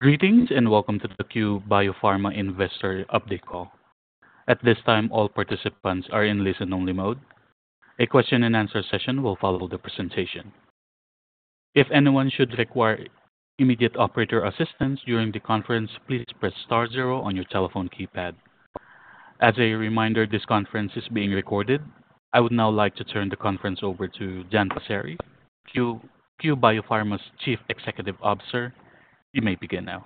Greetings, and welcome to the Cue Biopharma Investor Update Call. At this time, all participants are in listen-only mode. A question-and-answer session will follow the presentation. If anyone should require immediate operator assistance during the conference, please press star zero on your telephone keypad. As a reminder, this conference is being recorded. I would now like to turn the conference over to Dan Passeri, CEO, Cue Biopharma's Chief Executive Officer. You may begin now.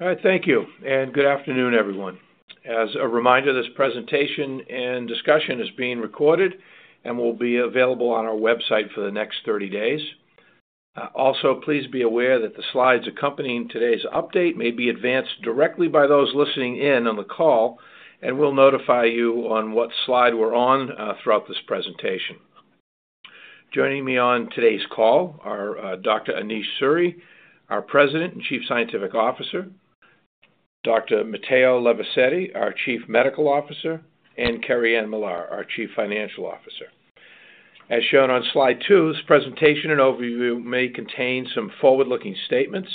All right, thank you, and good afternoon, everyone. As a reminder, this presentation and discussion is being recorded and will be available on our website for the next 30 days. Also, please be aware that the slides accompanying today's update may be advanced directly by those listening in on the call, and we'll notify you on what slide we're on throughout this presentation. Joining me on today's call are Dr. Anish Suri, our President and Chief Scientific Officer; Dr. Matteo Levisetti, our Chief Medical Officer; and Kerri-Ann Millar, our Chief Financial Officer. As shown on slide two, this presentation and overview may contain some forward-looking statements,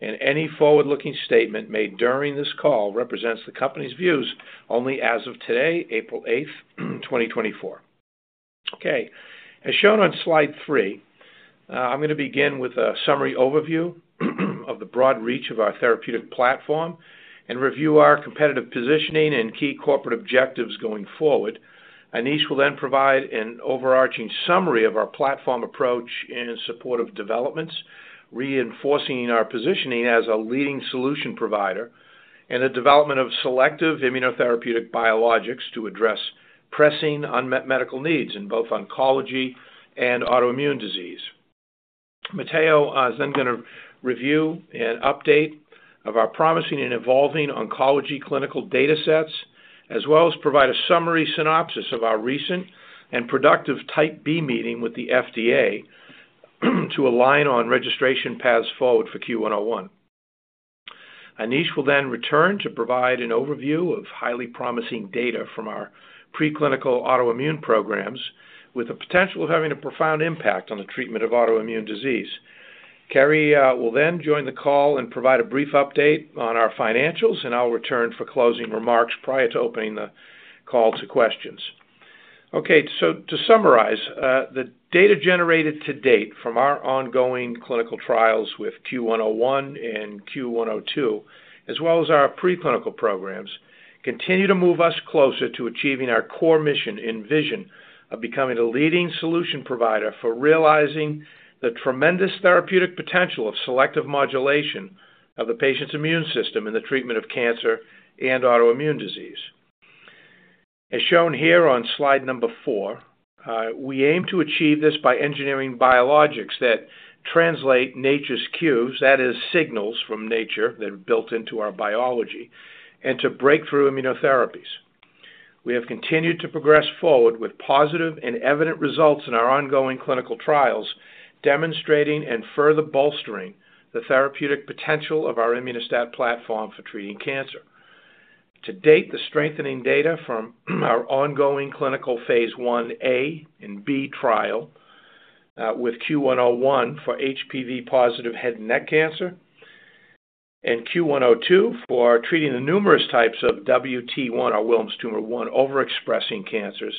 and any forward-looking statement made during this call represents the company's views only as of today, April 8, 2024. Okay, as shown on slide three, I'm going to begin with a summary overview of the broad reach of our therapeutic platform and review our competitive positioning and key corporate objectives going forward. Anish will then provide an overarching summary of our platform approach in support of developments, reinforcing our positioning as a leading solution provider in the development of selective immunotherapeutic biologics to address pressing unmet medical needs in both oncology and autoimmune disease. Matteo is then going to review an update of our promising and evolving oncology clinical datasets, as well as provide a summary synopsis of our recent and productive Type B meeting with the FDA, to align on registration paths forward for CUE-101. Anish will then return to provide an overview of highly promising data from our preclinical autoimmune programs, with the potential of having a profound impact on the treatment of autoimmune disease. Kerri-Ann will then join the call and provide a brief update on our financials, and I'll return for closing remarks prior to opening the call to questions. Okay, so to summarize, the data generated to date from our ongoing clinical trials with CUE-101 and CUE-102, as well as our preclinical programs, continue to move us closer to achieving our core mission and vision of becoming the leading solution provider for realizing the tremendous therapeutic potential of selective modulation of the patient's immune system in the treatment of cancer and autoimmune disease. As shown here on slide number four, we aim to achieve this by engineering biologics that translate nature's cues, that is, signals from nature that are built into our biology, and to breakthrough immunotherapies. We have continued to progress forward with positive and evident results in our ongoing clinical trials, demonstrating and further bolstering the therapeutic potential of our Immuno-STAT platform for treating cancer. To date, the strengthening data from our ongoing clinical phase I-A and B trial with CUE-101 for HPV-positive head and neck cancer, and CUE-102 for treating the numerous types of WT1 or Wilms' tumor 1 overexpressing cancers,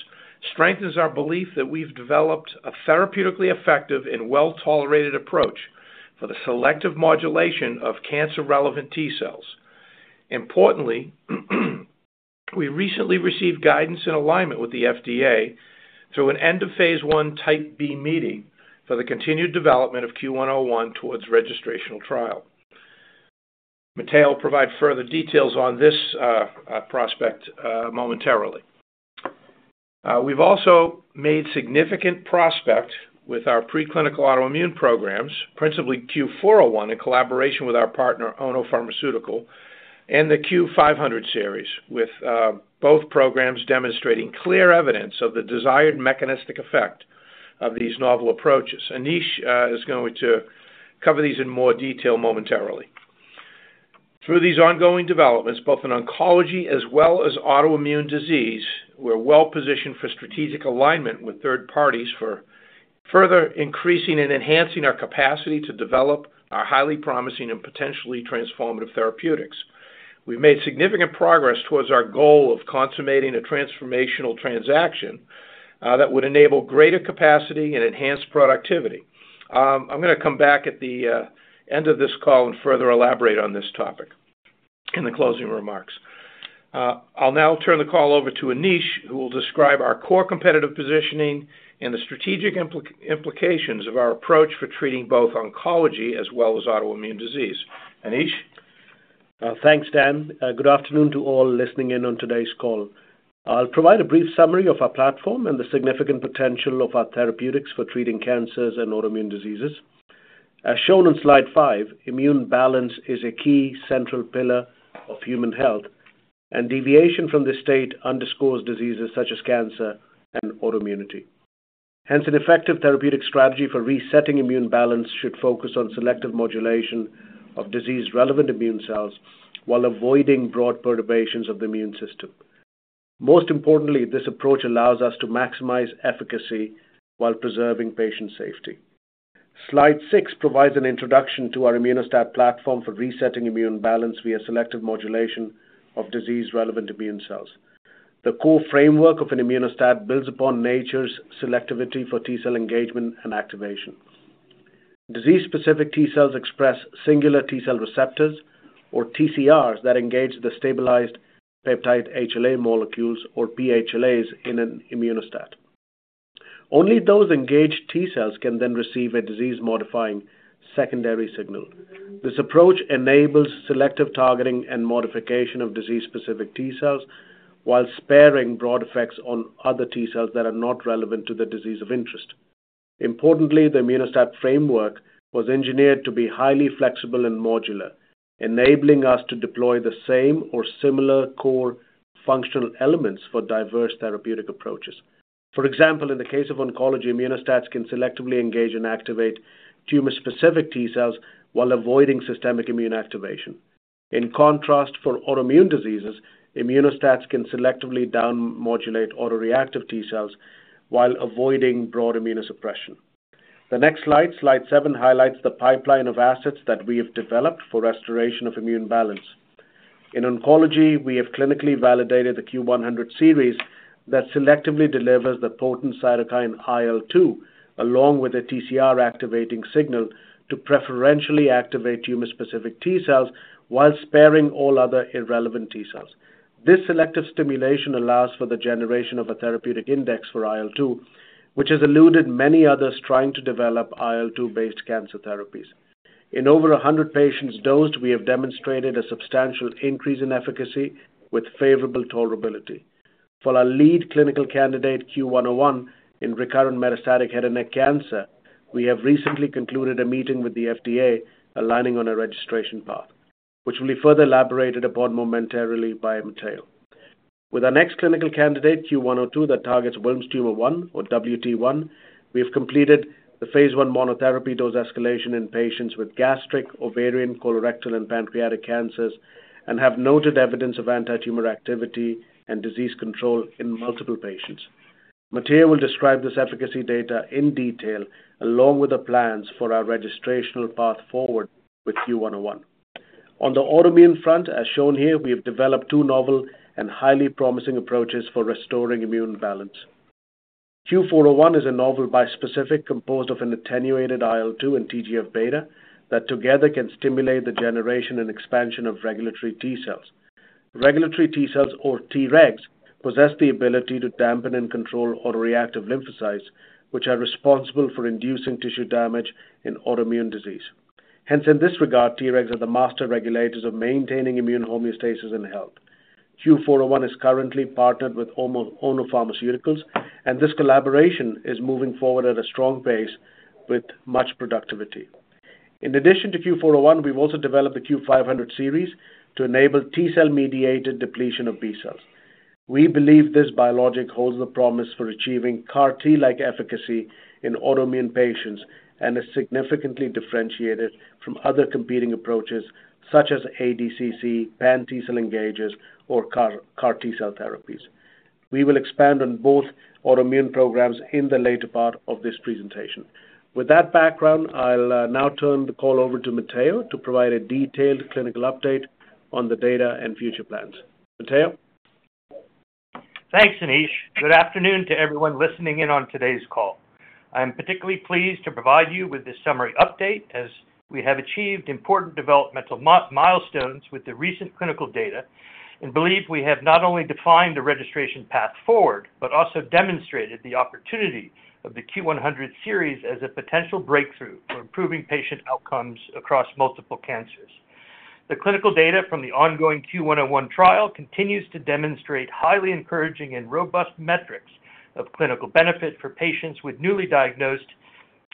strengthens our belief that we've developed a therapeutically effective and well-tolerated approach for the selective modulation of cancer-relevant T cells. Importantly, we recently received guidance and alignment with the FDA through an end-of-phase I Type B meeting for the continued development of CUE-101 towards registrational trial. Matteo will provide further details on this prospect momentarily. We've also made significant progress with our preclinical autoimmune programs, principally CUE-401, in collaboration with our partner, Ono Pharmaceutical, and the CUE-500 series, with both programs demonstrating clear evidence of the desired mechanistic effect of these novel approaches. Anish is going to cover these in more detail momentarily. Through these ongoing developments, both in oncology as well as autoimmune disease, we're well-positioned for strategic alignment with third parties for further increasing and enhancing our capacity to develop our highly promising and potentially transformative therapeutics. We've made significant progress towards our goal of consummating a transformational transaction that would enable greater capacity and enhanced productivity. I'm going to come back at the end of this call and further elaborate on this topic in the closing remarks. I'll now turn the call over to Anish, who will describe our core competitive positioning and the strategic implications of our approach for treating both oncology as well as autoimmune disease. Anish? Thanks, Dan. Good afternoon to all listening in on today's call. I'll provide a brief summary of our platform and the significant potential of our therapeutics for treating cancers and autoimmune diseases. As shown on slide 5, immune balance is a key central pillar of human health, and deviation from this state underscores diseases such as cancer and autoimmunity. Hence, an effective therapeutic strategy for resetting immune balance should focus on selective modulation of disease-relevant immune cells while avoiding broad perturbations of the immune system. Most importantly, this approach allows us to maximize efficacy while preserving patient safety. Slide six provides an introduction to our Immuno-STAT platform for resetting immune balance via selective modulation of disease-relevant immune cells. The core framework of an Immuno-STAT builds upon nature's selectivity for T cell engagement and activation. Disease-specific T cells express singular T cell receptors, or TCRs, that engage the stabilized peptide HLA molecules, or pHLAs, in an Immuno-STAT. Only those engaged T cells can then receive a disease-modifying secondary signal. This approach enables selective targeting and modification of disease-specific T cells, while sparing broad effects on other T cells that are not relevant to the disease of interest. Importantly, the Immuno-STAT framework was engineered to be highly flexible and modular, enabling us to deploy the same or similar core functional elements for diverse therapeutic approaches. For example, in the case of oncology, Immuno-STATs can selectively engage and activate tumor-specific T cells while avoiding systemic immune activation. In contrast, for autoimmune diseases, Immuno-STATs can selectively down-modulate autoreactive T cells while avoiding broad immunosuppression. The next slide, slide seven, highlights the pipeline of assets that we have developed for restoration of immune balance. In oncology, we have clinically validated the CUE-100 series that selectively delivers the potent cytokine IL-2, along with a TCR activating signal, to preferentially activate tumor-specific T cells while sparing all other irrelevant T cells. This selective stimulation allows for the generation of a therapeutic index for IL-2, which has eluded many others trying to develop IL-2-based cancer therapies. In over 100 patients dosed, we have demonstrated a substantial increase in efficacy with favorable tolerability. For our lead clinical candidate, CUE-101, in recurrent metastatic head and neck cancer, we have recently concluded a meeting with the FDA aligning on a registration path, which will be further elaborated upon momentarily by Matteo. With our next clinical candidate, CUE-102, that targets Wilms' tumor 1 or WT1, we have completed the phase I monotherapy dose escalation in patients with gastric, ovarian, colorectal, and pancreatic cancers, and have noted evidence of antitumor activity and disease control in multiple patients. Matteo will describe this efficacy data in detail, along with the plans for our registrational path forward with CUE-101. On the autoimmune front, as shown here, we have developed two novel and highly promising approaches for restoring immune balance. CUE-401 is a novel bispecific, composed of an attenuated IL-2 and TGF-beta, that together can stimulate the generation and expansion of regulatory T cells. Regulatory T cells, or Tregs, possess the ability to dampen and control autoreactive lymphocytes, which are responsible for inducing tissue damage in autoimmune disease. Hence, in this regard, Tregs are the master regulators of maintaining immune homeostasis and health. CUE-401 is currently partnered with Ono Pharmaceutical, and this collaboration is moving forward at a strong pace with much productivity. In addition to CUE-401, we've also developed the CUE-500 series to enable T-cell-mediated depletion of B cells. We believe this biologic holds the promise for achieving CAR-T-like efficacy in autoimmune patients and is significantly differentiated from other competing approaches, such as ADCC, pan-T cell engagers, or CAR, CAR-T cell therapies. We will expand on both autoimmune programs in the later part of this presentation. With that background, I'll now turn the call over to Matteo to provide a detailed clinical update on the data and future plans. Matteo? Thanks, Anish. Good afternoon to everyone listening in on today's call. I am particularly pleased to provide you with this summary update, as we have achieved important developmental milestones with the recent clinical data, and believe we have not only defined the registration path forward, but also demonstrated the opportunity of the CUE-100 series as a potential breakthrough for improving patient outcomes across multiple cancers. The clinical data from the ongoing CUE-101 trial continues to demonstrate highly encouraging and robust metrics of clinical benefit for patients with newly diagnosed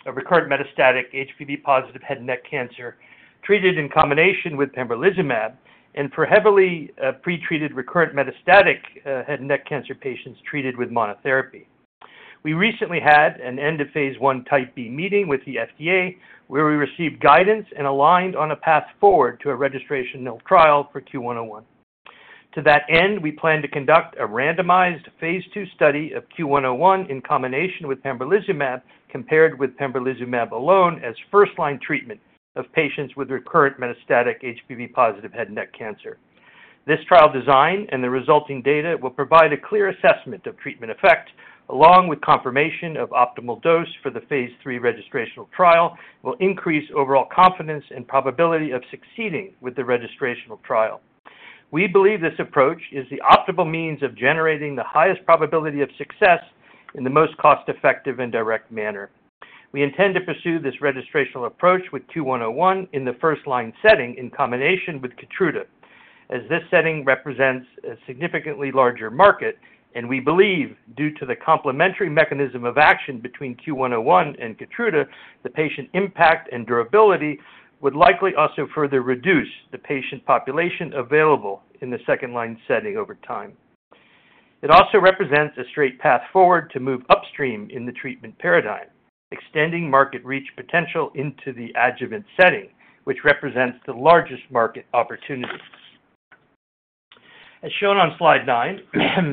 or recurrent metastatic HPV-positive head and neck cancer, treated in combination with pembrolizumab, and for heavily pretreated recurrent metastatic head and neck cancer patients treated with monotherapy. We recently had an end-of-phase I Type B meeting with the FDA, where we received guidance and aligned on a path forward to a registrational trial for CUE-101. To that end, we plan to conduct a randomized phase II study of CUE-101 in combination with pembrolizumab, compared with pembrolizumab alone as first-line treatment of patients with recurrent metastatic HPV-positive head and neck cancer. This trial design and the resulting data will provide a clear assessment of treatment effect, along with confirmation of optimal dose for the phase III registrational trial, will increase overall confidence and probability of succeeding with the registrational trial. We believe this approach is the optimal means of generating the highest probability of success in the most cost-effective and direct manner. We intend to pursue this registrational approach with CUE-101 in the first-line setting in combination with KEYTRUDA, as this setting represents a significantly larger market, and we believe, due to the complementary mechanism of action between CUE-101 and KEYTRUDA, the patient impact and durability would likely also further reduce the patient population available in the second-line setting over time. It also represents a straight path forward to move upstream in the treatment paradigm.... extending market reach potential into the adjuvant setting, which represents the largest market opportunities. As shown on slide nine,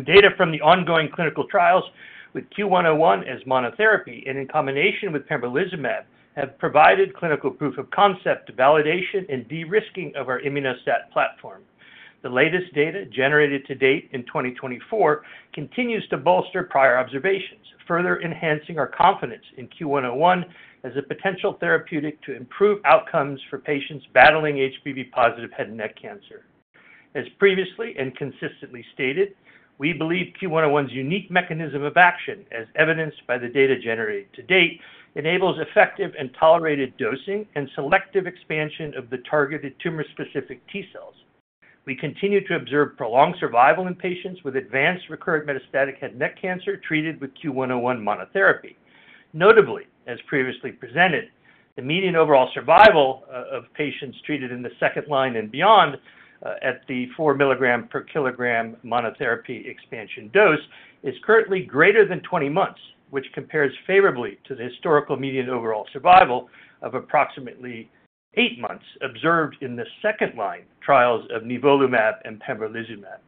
data from the ongoing clinical trials with CUE-101 as monotherapy and in combination with pembrolizumab, have provided clinical proof of concept, validation, and de-risking of our Immuno-STAT platform. The latest data generated to date in 2024 continues to bolster prior observations, further enhancing our confidence in CUE-101 as a potential therapeutic to improve outcomes for patients battling HPV-positive head and neck cancer. As previously and consistently stated, we believe CUE-101's unique mechanism of action, as evidenced by the data generated to date, enables effective and tolerated dosing and selective expansion of the targeted tumor-specific T cells. We continue to observe prolonged survival in patients with advanced recurrent metastatic head and neck cancer treated with CUE-101 monotherapy. Notably, as previously presented, the median overall survival of patients treated in the second line and beyond at the 4 mg/kg monotherapy expansion dose is currently greater than 20 months, which compares favorably to the historical median overall survival of approximately eight months observed in the second line trials of nivolumab and pembrolizumab.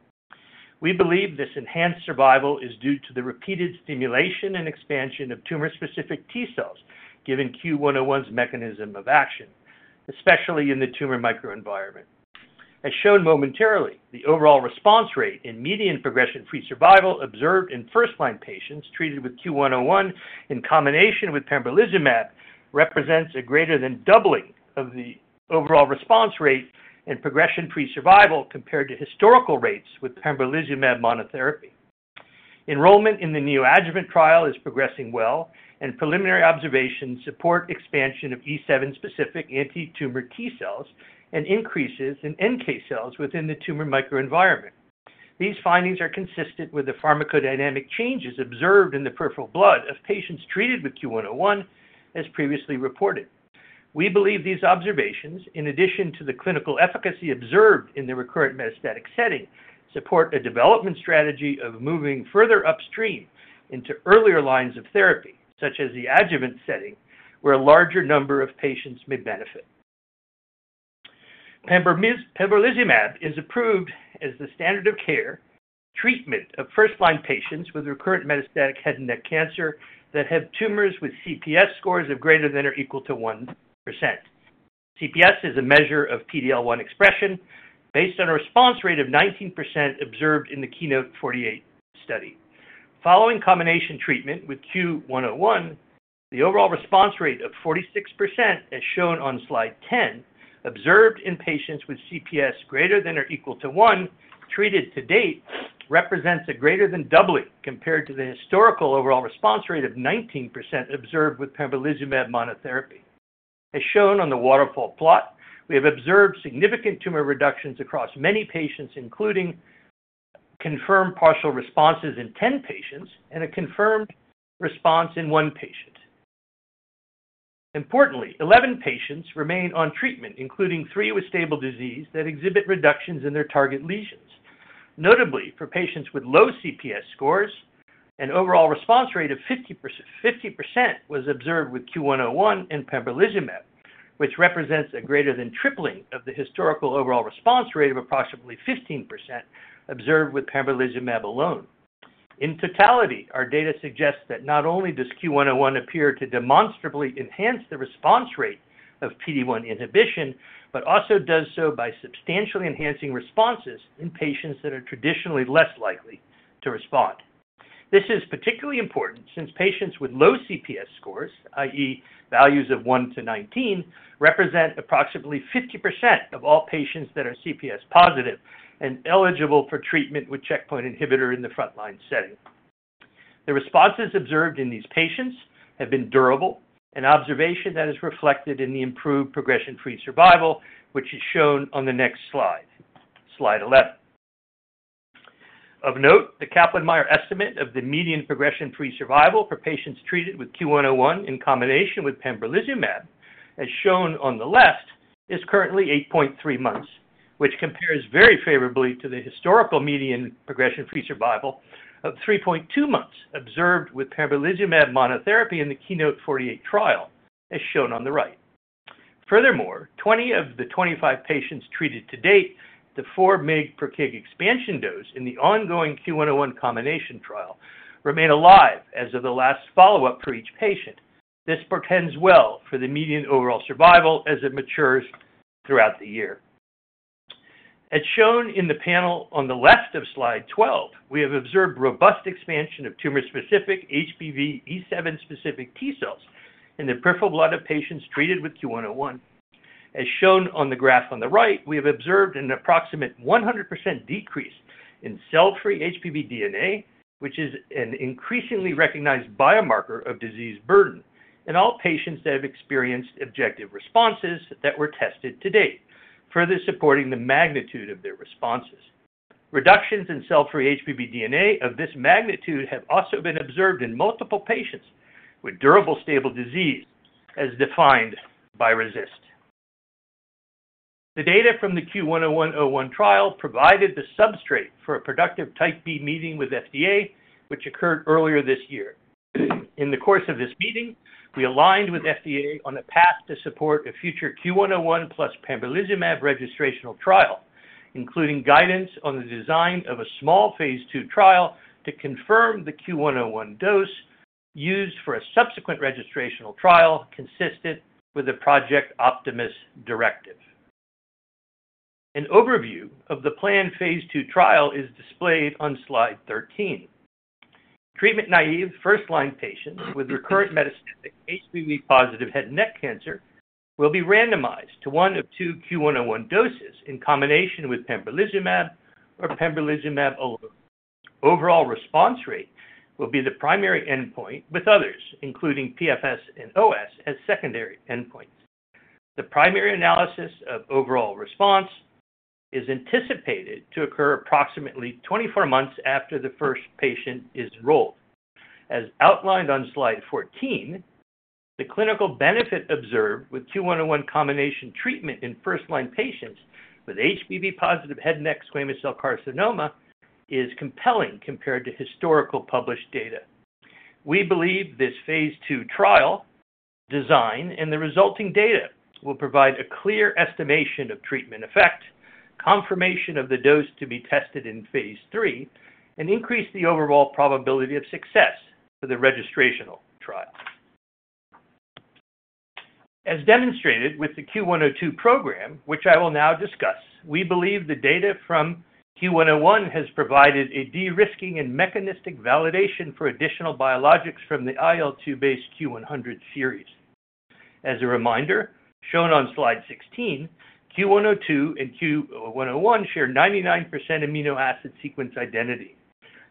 We believe this enhanced survival is due to the repeated stimulation and expansion of tumor-specific T cells, given CUE-101's mechanism of action, especially in the tumor microenvironment. As shown momentarily, the overall response rate in median progression-free survival observed in first-line patients treated with CUE-101 in combination with pembrolizumab, represents a greater than doubling of the overall response rate and progression-free survival compared to historical rates with pembrolizumab monotherapy. Enrollment in the neoadjuvant trial is progressing well, and preliminary observations support expansion of E7-specific antitumor T cells, and increases in NK cells within the tumor microenvironment. These findings are consistent with the pharmacodynamic changes observed in the peripheral blood of patients treated with CUE-101, as previously reported. We believe these observations, in addition to the clinical efficacy observed in the recurrent metastatic setting, support a development strategy of moving further upstream into earlier lines of therapy, such as the adjuvant setting, where a larger number of patients may benefit. Pembrolizumab is approved as the standard of care treatment of first-line patients with recurrent metastatic head and neck cancer that have tumors with CPS scores of greater than or equal to 1%. CPS is a measure of PD-L1 expression based on a response rate of 19% observed in the KEYNOTE-048 study. Following combination treatment with CUE-101, the overall response rate of 46%, as shown on slide 10, observed in patients with CPS greater than or equal to 1 treated to date, represents a greater than doubling compared to the historical overall response rate of 19% observed with pembrolizumab monotherapy. As shown on the waterfall plot, we have observed significant tumor reductions across many patients, including confirmed partial responses in 10 patients and a confirmed response in one patient. Importantly, 11 patients remain on treatment, including three with stable disease, that exhibit reductions in their target lesions. Notably, for patients with low CPS scores, an overall response rate of 50%, 50% was observed with CUE-101 and pembrolizumab, which represents a greater than tripling of the historical overall response rate of approximately 15% observed with pembrolizumab alone. In totality, our data suggests that not only does CUE-101 appear to demonstrably enhance the response rate of PD-1 inhibition, but also does so by substantially enhancing responses in patients that are traditionally less likely to respond. This is particularly important since patients with low CPS scores, i.e., values of 1-19, represent approximately 50% of all patients that are CPS positive and eligible for treatment with checkpoint inhibitor in the front-line setting. The responses observed in these patients have been durable, an observation that is reflected in the improved progression-free survival, which is shown on the next slide, slide 11. Of note, the Kaplan-Meier estimate of the median progression-free survival for patients treated with CUE-101 in combination with pembrolizumab, as shown on the left, is currently 8.3 months, which compares very favorably to the historical median progression-free survival of 3.2 months observed with pembrolizumab monotherapy in the KEYNOTE-048 trial, as shown on the right. Furthermore, 20 of the 25 patients treated to date, the 4 mg/kg expansion dose in the ongoing CUE-101 combination trial, remain alive as of the last follow-up for each patient. This portends well for the median overall survival as it matures throughout the year. As shown in the panel on the left of Slide 12, we have observed robust expansion of tumor-specific HPV E7-specific T cells in the peripheral blood of patients treated with CUE-101. As shown on the graph on the right, we have observed an approximate 100% decrease in cell-free HPV DNA, which is an increasingly recognized biomarker of disease burden in all patients that have experienced objective responses that were tested to date, further supporting the magnitude of their responses. Reductions in cell-free HPV DNA of this magnitude have also been observed in multiple patients with durable stable disease as defined by RECIST. The data from the CUE-101-01 trial provided the substrate for a productive Type B meeting with FDA, which occurred earlier this year. In the course of this meeting, we aligned with FDA on a path to support a future CUE-101 plus pembrolizumab registrational trial, including guidance on the design of a small phase II trial to confirm the CUE-101 dose used for a subsequent registrational trial, consistent with the Project Optimus directive. An overview of the planned phase II trial is displayed on slide 13. Treatment-naïve, first-line patients with recurrent metastatic HPV-positive head and neck cancer will be randomized to one of two CUE-101 doses in combination with pembrolizumab or pembrolizumab alone. Overall response rate will be the primary endpoint, with others, including PFS and OS, as secondary endpoints. The primary analysis of overall response is anticipated to occur approximately 24 months after the first patient is enrolled. As outlined on slide 14, the clinical benefit observed with CUE-101 combination treatment in first-line patients with HPV-positive head and neck squamous cell carcinoma is compelling compared to historical published data. We believe this phase II trial design and the resulting data will provide a clear estimation of treatment effect, confirmation of the dose to be tested in phase III, and increase the overall probability of success for the registrational trial. As demonstrated with the CUE-102 program, which I will now discuss, we believe the data from CUE-101 has provided a de-risking and mechanistic validation for additional biologics from the IL-2 based CUE-100 series. As a reminder, shown on slide 16, CUE-102 and CUE-101 share 99% amino acid sequence identity.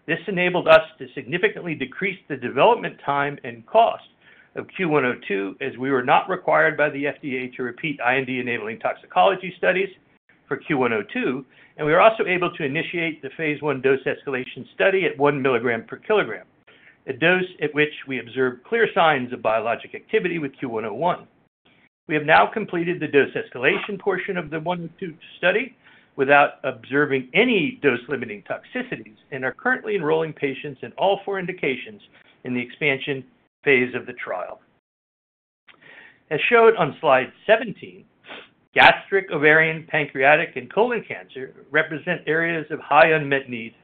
This enabled us to significantly decrease the development time and cost of CUE-102, as we were not required by the FDA to repeat IND-enabling toxicology studies for CUE-102, and we were also able to initiate the phase I dose escalation study at 1 mg/kg, a dose at which we observed clear signs of biologic activity with CUE-101. We have now completed the dose escalation portion of the 102 study without observing any dose-limiting toxicities and are currently enrolling patients in all four indications in the expansion phase of the trial. As shown on slide 17, gastric, ovarian, pancreatic, and colon cancer represent areas of high unmet need.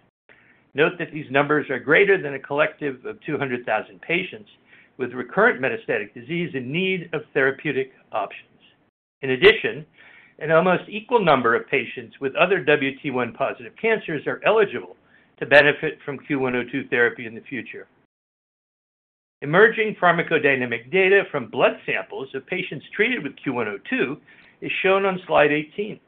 Note that these numbers are greater than a collective of 200,000 patients with recurrent metastatic disease in need of therapeutic options. In addition, an almost equal number of patients with other WT1-positive cancers are eligible to benefit from CUE-102 therapy in the future. Emerging pharmacodynamic data from blood samples of patients treated with CUE-102 is shown on slide 18.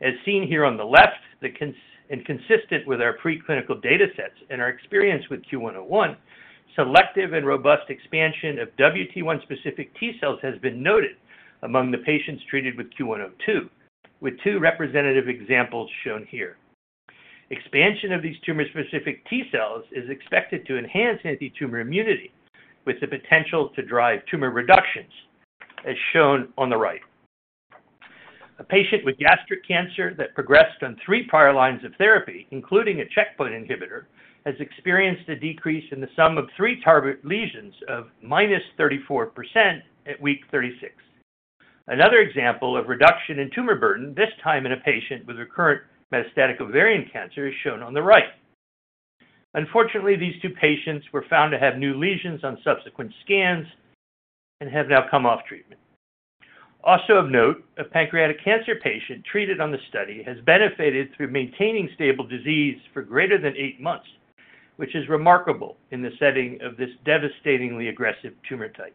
As seen here on the left, and consistent with our preclinical data sets and our experience with CUE-101, selective and robust expansion of WT1-specific T cells has been noted among the patients treated with CUE-102, with two representative examples shown here. Expansion of these tumor-specific T cells is expected to enhance antitumor immunity, with the potential to drive tumor reductions, as shown on the right. A patient with gastric cancer that progressed on three prior lines of therapy, including a checkpoint inhibitor, has experienced a decrease in the sum of three target lesions of -34% at week 36. Another example of reduction in tumor burden, this time in a patient with recurrent metastatic ovarian cancer, is shown on the right. Unfortunately, these two patients were found to have new lesions on subsequent scans and have now come off treatment. Also of note, a pancreatic cancer patient treated on the study has benefited through maintaining stable disease for greater than 8 months, which is remarkable in the setting of this devastatingly aggressive tumor type.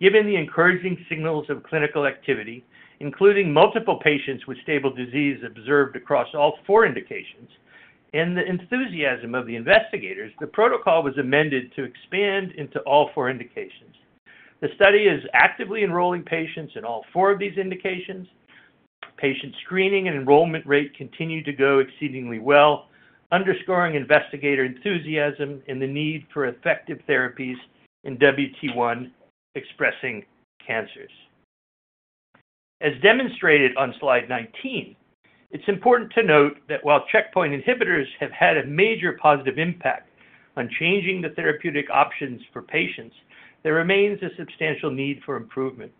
Given the encouraging signals of clinical activity, including multiple patients with stable disease observed across all 4 indications and the enthusiasm of the investigators, the protocol was amended to expand into all four indications. The study is actively enrolling patients in all four of these indications. Patient screening and enrollment rate continue to go exceedingly well, underscoring investigator enthusiasm and the need for effective therapies in WT1-expressing cancers. As demonstrated on slide 19, it's important to note that while checkpoint inhibitors have had a major positive impact on changing the therapeutic options for patients, there remains a substantial need for improvement.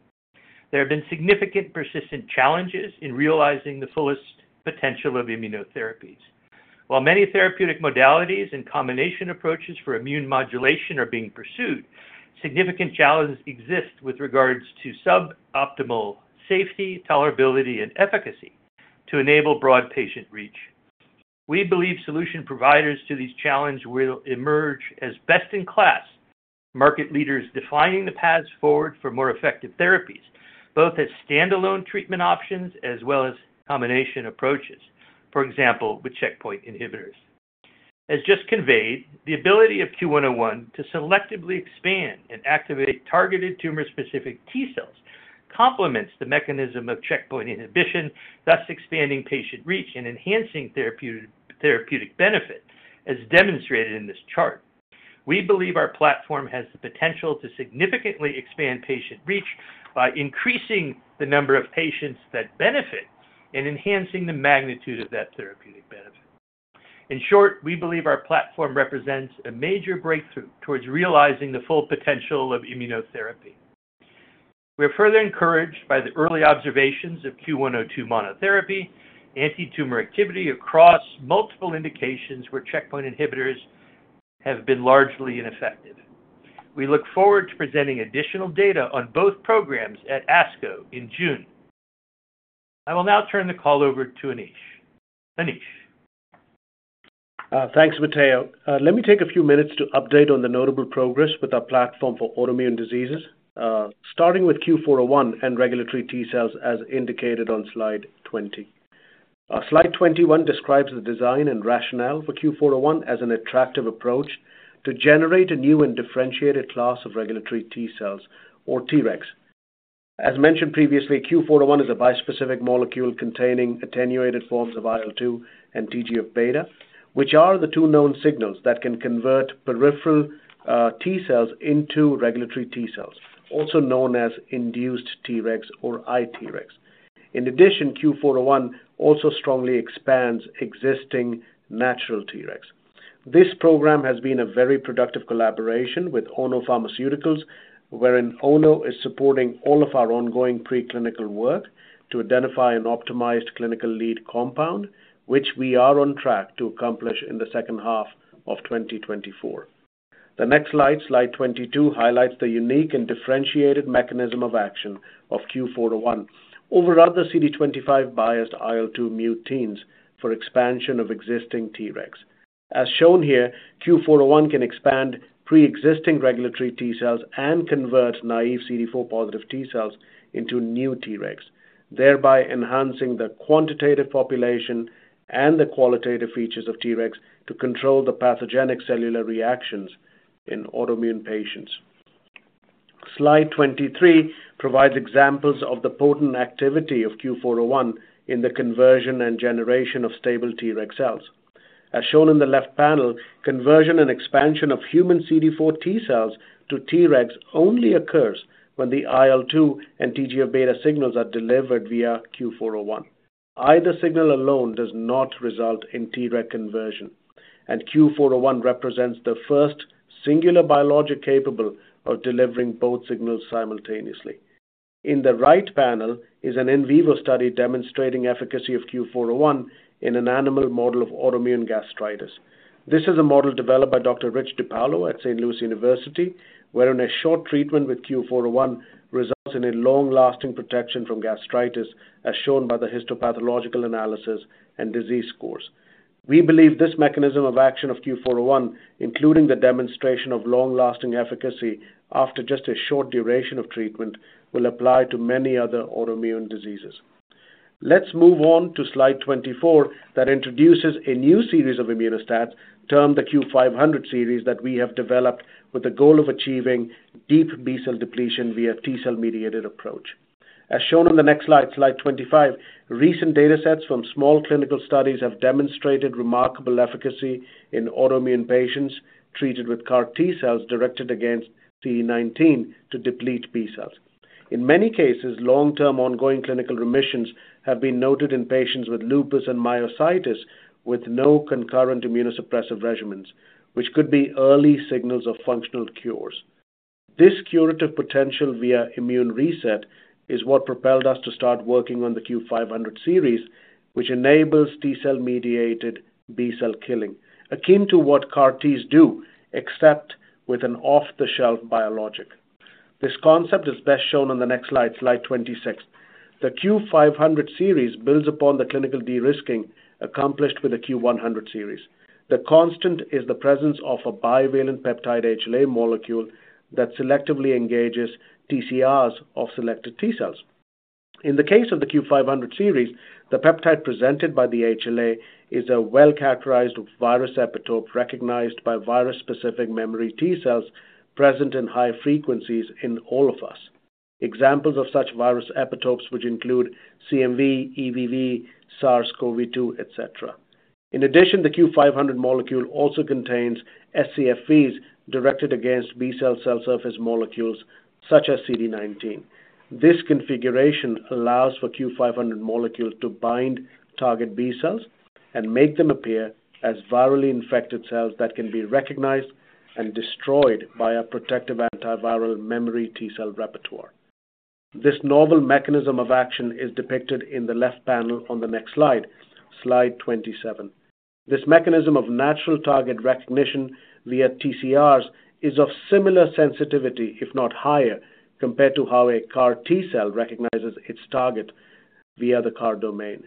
There have been significant persistent challenges in realizing the fullest potential of immunotherapies. While many therapeutic modalities and combination approaches for immune modulation are being pursued, significant challenges exist with regards to suboptimal safety, tolerability, and efficacy to enable broad patient reach. We believe solution providers to these challenges will emerge as best-in-class market leaders, defining the paths forward for more effective therapies, both as standalone treatment options as well as combination approaches, for example, with checkpoint inhibitors. As just conveyed, the ability of CUE-101 to selectively expand and activate targeted tumor-specific T cells complements the mechanism of checkpoint inhibition, thus expanding patient reach and enhancing therapeutic, therapeutic benefit, as demonstrated in this chart... We believe our platform has the potential to significantly expand patient reach by increasing the number of patients that benefit and enhancing the magnitude of that therapeutic benefit. In short, we believe our platform represents a major breakthrough towards realizing the full potential of immunotherapy. We are further encouraged by the early observations of CUE-102 monotherapy, anti-tumor activity across multiple indications where checkpoint inhibitors have been largely ineffective. We look forward to presenting additional data on both programs at ASCO in June. I will now turn the call over to Anish. Anish? Thanks, Matteo. Let me take a few minutes to update on the notable progress with our platform for autoimmune diseases, starting with CUE-401 and regulatory T cells, as indicated on slide 20. Slide 21 describes the design and rationale for CUE-401 as an attractive approach to generate a new and differentiated class of regulatory T cells, or Tregs. As mentioned previously, CUE-401 is a bispecific molecule containing attenuated forms of IL-2 and TGF-beta, which are the two known signals that can convert peripheral T cells into regulatory T cells, also known as induced Tregs or iTregs. In addition, CUE-401 also strongly expands existing natural Tregs. This program has been a very productive collaboration with Ono Pharmaceutical, wherein Ono is supporting all of our ongoing preclinical work to identify an optimized clinical lead compound, which we are on track to accomplish in the second half of 2024. The next slide, slide 22, highlights the unique and differentiated mechanism of action of CUE-401 over other CD25-biased IL-2 mutants for expansion of existing Tregs. As shown here, CUE-401 can expand pre-existing regulatory T cells and convert naive CD4-positive T cells into new Tregs, thereby enhancing the quantitative population and the qualitative features of Tregs to control the pathogenic cellular reactions in autoimmune patients. Slide 23 provides examples of the potent activity of CUE-401 in the conversion and generation of stable Treg cells. As shown in the left panel, conversion and expansion of human CD4 T cells to Tregs only occurs when the IL-2 and TGF-beta signals are delivered via CUE-401. Either signal alone does not result in Treg conversion, and CUE-401 represents the first singular biologic capable of delivering both signals simultaneously. In the right panel is an in vivo study demonstrating efficacy of CUE-401 in an animal model of autoimmune gastritis. This is a model developed by Dr. Rich DiPaolo at Saint Louis University, wherein a short treatment with CUE-401 results in a long-lasting protection from gastritis, as shown by the histopathological analysis and disease scores. We believe this mechanism of action of CUE-401, including the demonstration of long-lasting efficacy after just a short duration of treatment, will apply to many other autoimmune diseases. Let's move on to slide 24, that introduces a new series of Immuno-STATs, termed the CUE-500 series, that we have developed with the goal of achieving deep B-cell depletion via T-cell-mediated approach. As shown on the next slide, slide 25, recent data sets from small clinical studies have demonstrated remarkable efficacy in autoimmune patients treated with CAR-T cells directed against CD19 to deplete B cells. In many cases, long-term ongoing clinical remissions have been noted in patients with lupus and myositis, with no concurrent immunosuppressive regimens, which could be early signals of functional cures. This curative potential via immune reset is what propelled us to start working on the CUE-500 series, which enables T-cell-mediated B-cell killing, akin to what CAR-Ts do, except with an off-the-shelf biologic. This concept is best shown on the next slide, slide 26. The CUE-500 series builds upon the clinical de-risking accomplished with the CUE-100 series. The constant is the presence of a bivalent peptide HLA molecule that selectively engages TCRs of selected T cells. In the case of the CUE-500 series, the peptide presented by the HLA is a well-characterized virus epitope recognized by virus-specific memory T cells present in high frequencies in all of us. Examples of such virus epitopes, which include CMV, EBV, SARS-CoV-2, et cetera. In addition, the CUE-500 molecule also contains scFVs directed against B cell surface molecules such as CD19. This configuration allows for CUE-500 molecules to bind target B cells and make them appear as virally infected cells that can be recognized and destroyed by a protective antiviral memory T cell repertoire. This novel mechanism of action is depicted in the left panel on the next slide, slide 27. This mechanism of natural target recognition via TCRs is of similar sensitivity, if not higher, compared to how a CAR-T cell recognizes its target via the CAR domain.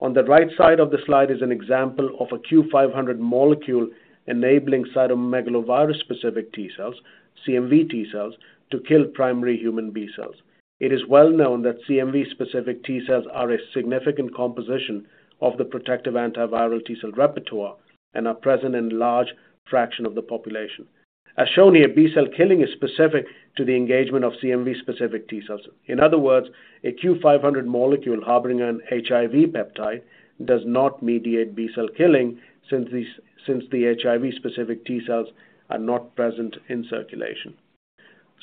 On the right side of the slide is an example of a CUE-500 molecule enabling cytomegalovirus-specific T cells, CMV T cells, to kill primary human B cells. It is well known that CMV-specific T cells are a significant composition of the protective antiviral T cell repertoire and are present in large fraction of the population. As shown here, B-cell killing is specific to the engagement of CMV-specific T cells. In other words, a CUE-500 molecule harboring an HIV peptide does not mediate B-cell killing, since the HIV-specific T cells are not present in circulation....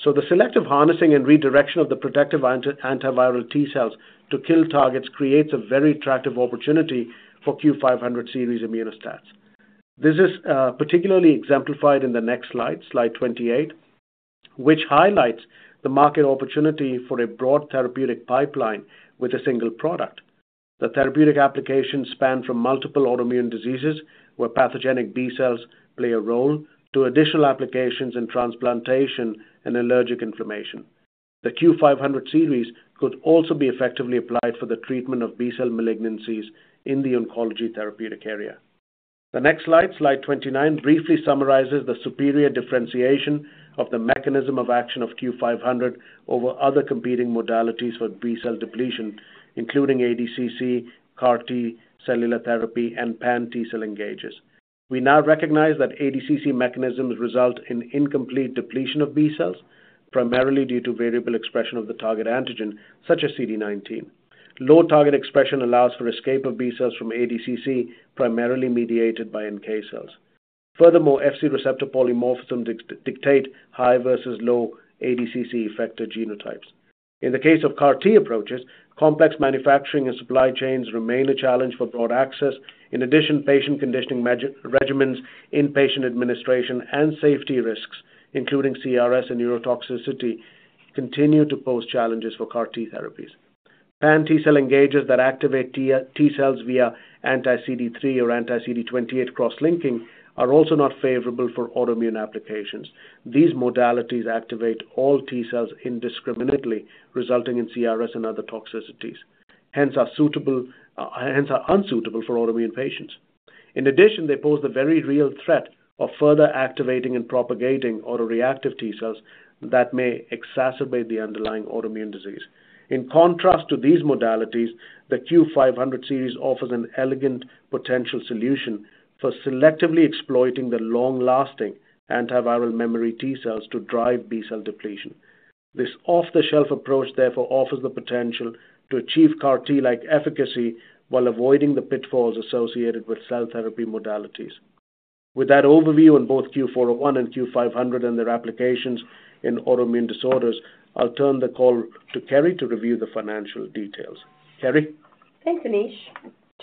So the selective harnessing and redirection of the protective anti-antiviral T cells to kill targets creates a very attractive opportunity for CUE-500 series Immuno-STATs. This is particularly exemplified in the next slide, slide 28, which highlights the market opportunity for a broad therapeutic pipeline with a single product. The therapeutic applications span from multiple autoimmune diseases, where pathogenic B cells play a role, to additional applications in transplantation and allergic inflammation. The CUE-500 series could also be effectively applied for the treatment of B cell malignancies in the oncology therapeutic area. The next slide, slide 29, briefly summarizes the superior differentiation of the mechanism of action of CUE-500 over other competing modalities for B-cell depletion, including ADCC, CAR-T, cellular therapy, and Pan T-cell engagers. We now recognize that ADCC mechanisms result in incomplete depletion of B cells, primarily due to variable expression of the target antigen, such as CD19. Low target expression allows for escape of B cells from ADCC, primarily mediated by NK cells. Furthermore, Fc receptor polymorphisms dictate high versus low ADCC effector genotypes. In the case of CAR-T approaches, complex manufacturing and supply chains remain a challenge for broad access. In addition, patient conditioning regimens, inpatient administration, and safety risks, including CRS and neurotoxicity, continue to pose challenges for CAR-T therapies. Pan-T cell engagers that activate T cells via anti-CD3 or anti-CD28 cross-linking are also not favorable for autoimmune applications. These modalities activate all T cells indiscriminately, resulting in CRS and other toxicities, hence are unsuitable for autoimmune patients. In addition, they pose the very real threat of further activating and propagating autoreactive T cells that may exacerbate the underlying autoimmune disease. In contrast to these modalities, the CUE-500 series offers an elegant potential solution for selectively exploiting the long-lasting antiviral memory T cells to drive B cell depletion. This off-the-shelf approach, therefore, offers the potential to achieve CAR-T-like efficacy while avoiding the pitfalls associated with cell therapy modalities. With that overview on both CUE-401 and CUE-500 and their applications in autoimmune disorders, I'll turn the call to Kerri to review the financial details. Kerri? Thanks, Anish.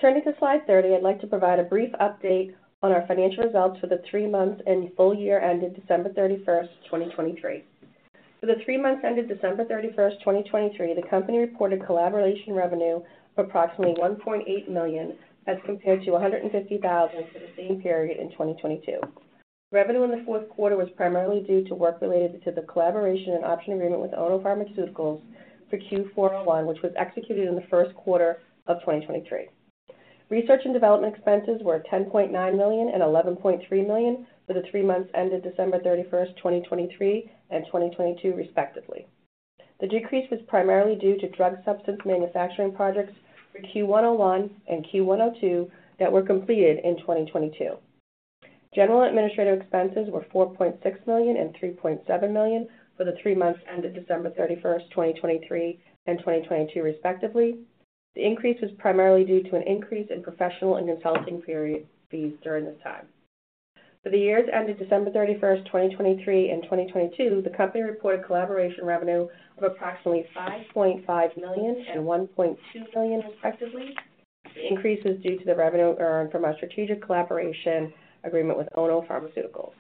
Turning to slide 30, I'd like to provide a brief update on our financial results for the three months and full year ended December 31, 2023. For the three months ended December 31, 2023, the company reported collaboration revenue of approximately $1.8 million, as compared to $150,000 for the same period in 2022. Revenue in the fourth quarter was primarily due to work related to the collaboration and option agreement with Ono Pharmaceutical for CUE-401, which was executed in the first quarter of 2023. Research and development expenses were $10.9 million and $11.3 million for the three months ended December 31, 2023 and 2022, respectively. The decrease was primarily due to drug substance manufacturing projects for CUE-101 and CUE-102 that were completed in 2022. General administrative expenses were $4.6 million and $3.7 million for the three months ended December 31, 2023 and 2022, respectively. The increase was primarily due to an increase in professional and consulting period fees during this time. For the years ended December 31, 2023 and 2022, the company reported collaboration revenue of approximately $5.5 million and $1.2 million, respectively. The increase is due to the revenue earned from our strategic collaboration agreement with Ono Pharmaceutical.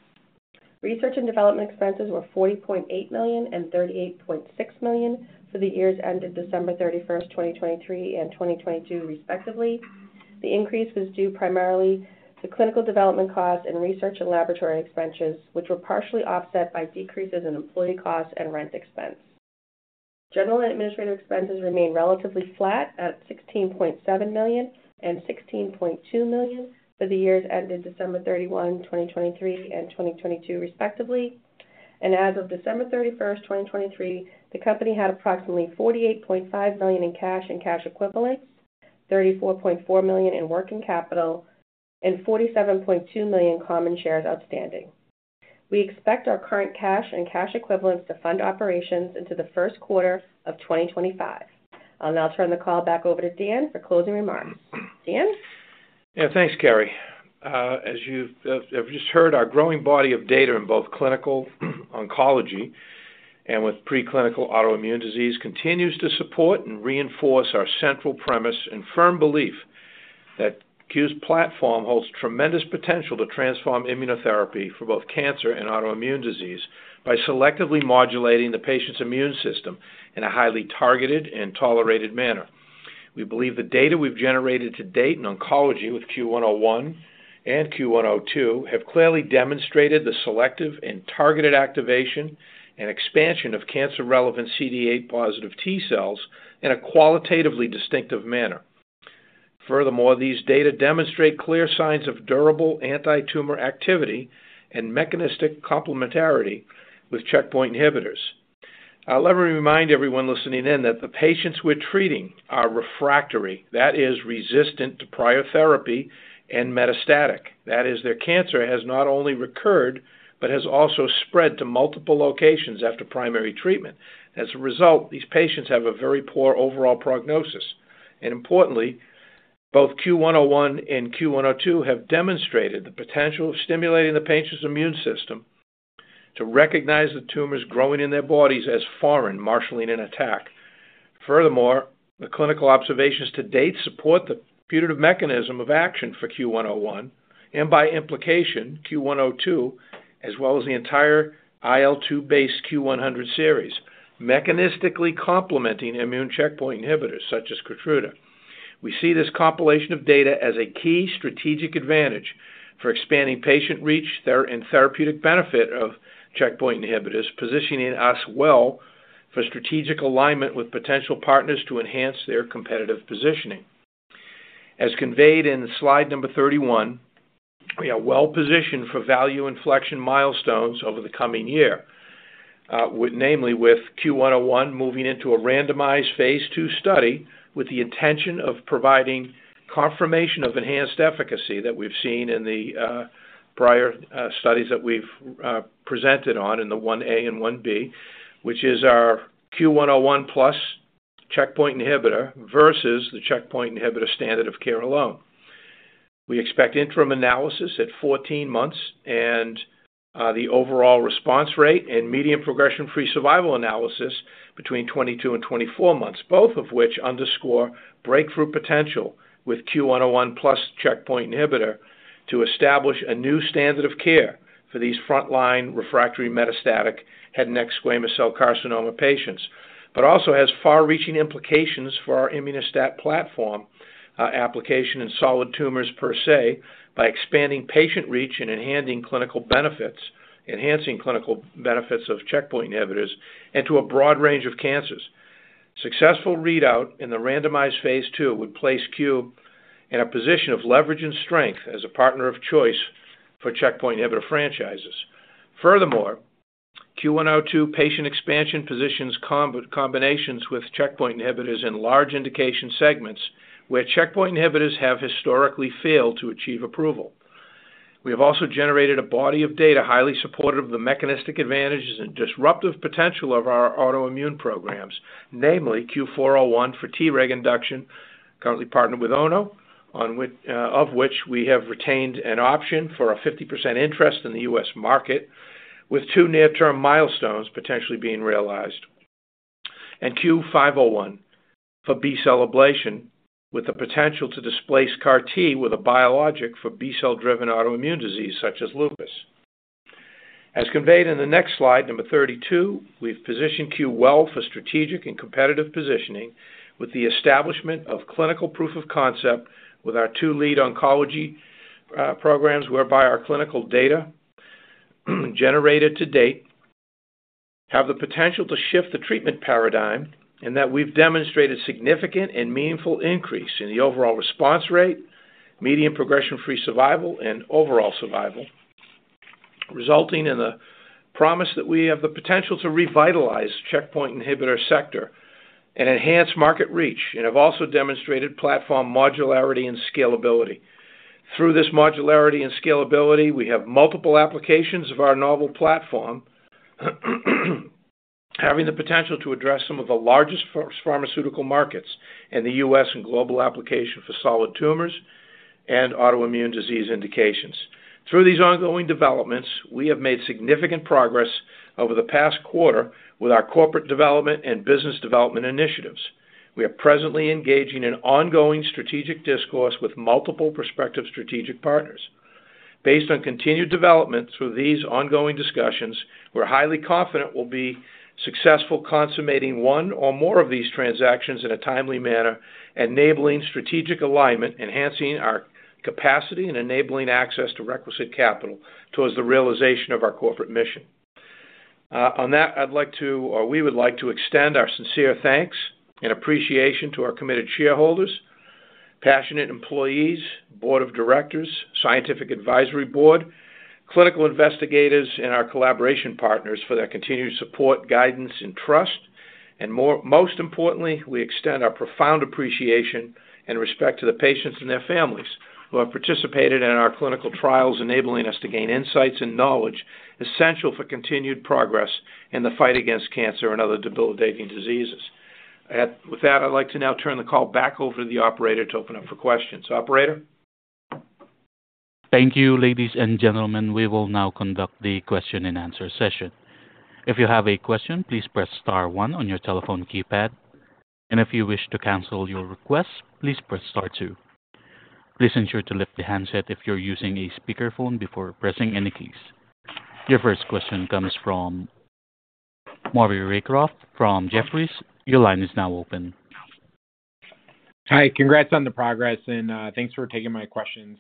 Research and development expenses were $40.8 million and $38.6 million for the years ended December 31, 2023 and 2022, respectively. The increase was due primarily to clinical development costs and research and laboratory expenses, which were partially offset by decreases in employee costs and rent expense. General and administrative expenses remained relatively flat at $16.7 million and $16.2 million for the years ended December 31, 2023 and 2022, respectively. As of December 31, 2023, the company had approximately $48.5 million in cash and cash equivalents, $34.4 million in working capital, and $47.2 million common shares outstanding. We expect our current cash and cash equivalents to fund operations into the first quarter of 2025. I'll now turn the call back over to Dan for closing remarks. Dan? Yeah, thanks, Kerri. As you've have just heard, our growing body of data in both clinical oncology and with preclinical autoimmune disease continues to support and reinforce our central premise and firm belief that CUE's platform holds tremendous potential to transform immunotherapy for both cancer and autoimmune disease by selectively modulating the patient's immune system in a highly targeted and tolerated manner. We believe the data we've generated to date in oncology with CUE-101 and CUE-102 have clearly demonstrated the selective and targeted activation and expansion of cancer-relevant CD8-positive T cells in a qualitatively distinctive manner. Furthermore, these data demonstrate clear signs of durable anti-tumor activity and mechanistic complementarity with checkpoint inhibitors. I'll remind everyone listening in that the patients we're treating are refractory, that is, resistant to prior therapy and metastatic. That is, their cancer has not only recurred, but has also spread to multiple locations after primary treatment. As a result, these patients have a very poor overall prognosis.... And importantly, both CUE-101 and CUE-102 have demonstrated the potential of stimulating the patient's immune system to recognize the tumors growing in their bodies as foreign, marshaling an attack. Furthermore, the clinical observations to date support the putative mechanism of action for CUE-101, and by implication, CUE-102, as well as the entire IL-2 based CUE-100 series, mechanistically complementing immune checkpoint inhibitors such as KEYTRUDA. We see this compilation of data as a key strategic advantage for expanding patient reach there and therapeutic benefit of checkpoint inhibitors, positioning us well for strategic alignment with potential partners to enhance their competitive positioning. As conveyed in slide number 31, we are well-positioned for value inflection milestones over the coming year, with namely with CUE-101 moving into a randomized phase II study, with the intention of providing confirmation of enhanced efficacy that we've seen in the, prior, studies that we've, presented on in the 1-A and 1-B, which is our CUE-101 plus checkpoint inhibitor versus the checkpoint inhibitor standard of care alone. We expect interim analysis at 14 months and, the overall response rate and median progression-free survival analysis between 22 and 24 months, both of which underscore breakthrough potential with CUE-101 plus checkpoint inhibitor to establish a new standard of care for these frontline refractory metastatic head and neck squamous cell carcinoma patients, but also has far-reaching implications for our Immuno-STAT platform, application in solid tumors per se, by expanding patient reach and enhancing clinical benefits, enhancing clinical benefits of checkpoint inhibitors, and to a broad range of cancers. Successful readout in the randomized phase II would place CUE in a position of leverage and strength as a partner of choice for checkpoint inhibitor franchises. Furthermore, CUE-102 patient expansion positions combinations with checkpoint inhibitors in large indication segments, where checkpoint inhibitors have historically failed to achieve approval. We have also generated a body of data highly supportive of the mechanistic advantages and disruptive potential of our autoimmune programs, namely CUE-401 for Treg induction, currently partnered with Ono, on which of which we have retained an option for a 50% interest in the U.S. market, with two near-term milestones potentially being realized. And CUE-501 for B-cell ablation, with the potential to displace CAR-T with a biologic for B-cell driven autoimmune disease such as lupus. As conveyed in the next slide 32, we've positioned CUE well for strategic and competitive positioning with the establishment of clinical proof of concept with our two lead oncology programs, whereby our clinical data, generated to date, have the potential to shift the treatment paradigm, and that we've demonstrated significant and meaningful increase in the overall response rate, median progression-free survival, and overall survival, resulting in the promise that we have the potential to revitalize checkpoint inhibitor sector and enhance market reach, and have also demonstrated platform modularity and scalability. Through this modularity and scalability, we have multiple applications of our novel platform, having the potential to address some of the largest pharmaceutical markets in the U.S. and global application for solid tumors and autoimmune disease indications. Through these ongoing developments, we have made significant progress over the past quarter with our corporate development and business development initiatives. We are presently engaging in ongoing strategic discourse with multiple prospective strategic partners. Based on continued development through these ongoing discussions, we're highly confident we'll be successful consummating one or more of these transactions in a timely manner, enabling strategic alignment, enhancing our capacity, and enabling access to requisite capital towards the realization of our corporate mission. On that, I'd like to, or we would like to extend our sincere thanks and appreciation to our committed shareholders, passionate employees, Board of Directors, Scientific Advisory Board, clinical investigators, and our collaboration partners for their continued support, guidance, and trust. And more, most importantly, we extend our profound appreciation and respect to the patients and their families who have participated in our clinical trials, enabling us to gain insights and knowledge essential for continued progress in the fight against cancer and other debilitating diseases. With that, I'd like to now turn the call back over to the operator to open up for questions. Operator? Thank you, ladies and gentlemen. We will now conduct the question-and-answer session. If you have a question, please press star one on your telephone keypad, and if you wish to cancel your request, please press star two. Please ensure to lift the handset if you're using a speakerphone before pressing any keys. Your first question comes from Maury Raycroft from Jefferies. Your line is now open. Hi. Congrats on the progress, and, thanks for taking my questions.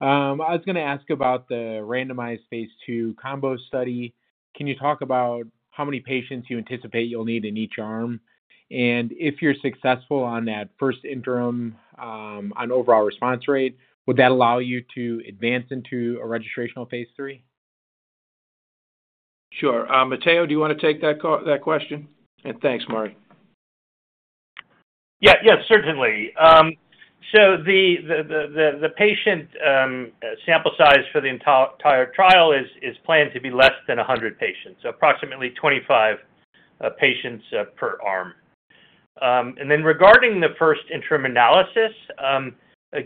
I was going to ask about the randomized phase II combo study. Can you talk about how many patients you anticipate you'll need in each arm? And if you're successful on that first interim, on overall response rate, would that allow you to advance into a registrational phase III? Sure. Matteo, do you want to take that call, that question? Thanks, Maury. Yeah. Yes, certainly. So the patient sample size for the entire trial is planned to be less than 100 patients, so approximately 25 patients per arm. And then regarding the first interim analysis,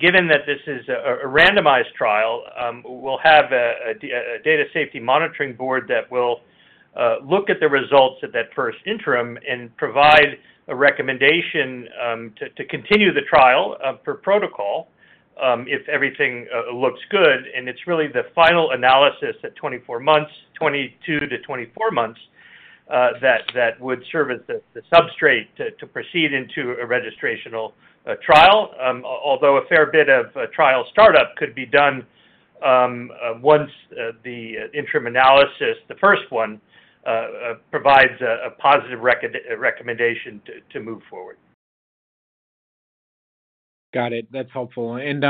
given that this is a randomized trial, we'll have a data safety monitoring board that will look at the results of that first interim and provide a recommendation to continue the trial per protocol if everything looks good. And it's really the final analysis at 24 months, 22-24 months, that would serve as the substrate to proceed into a registrational trial. Although a fair bit of trial startup could be done once the interim analysis, the first one, provides a positive recommendation to move forward. Got it. That's helpful. And,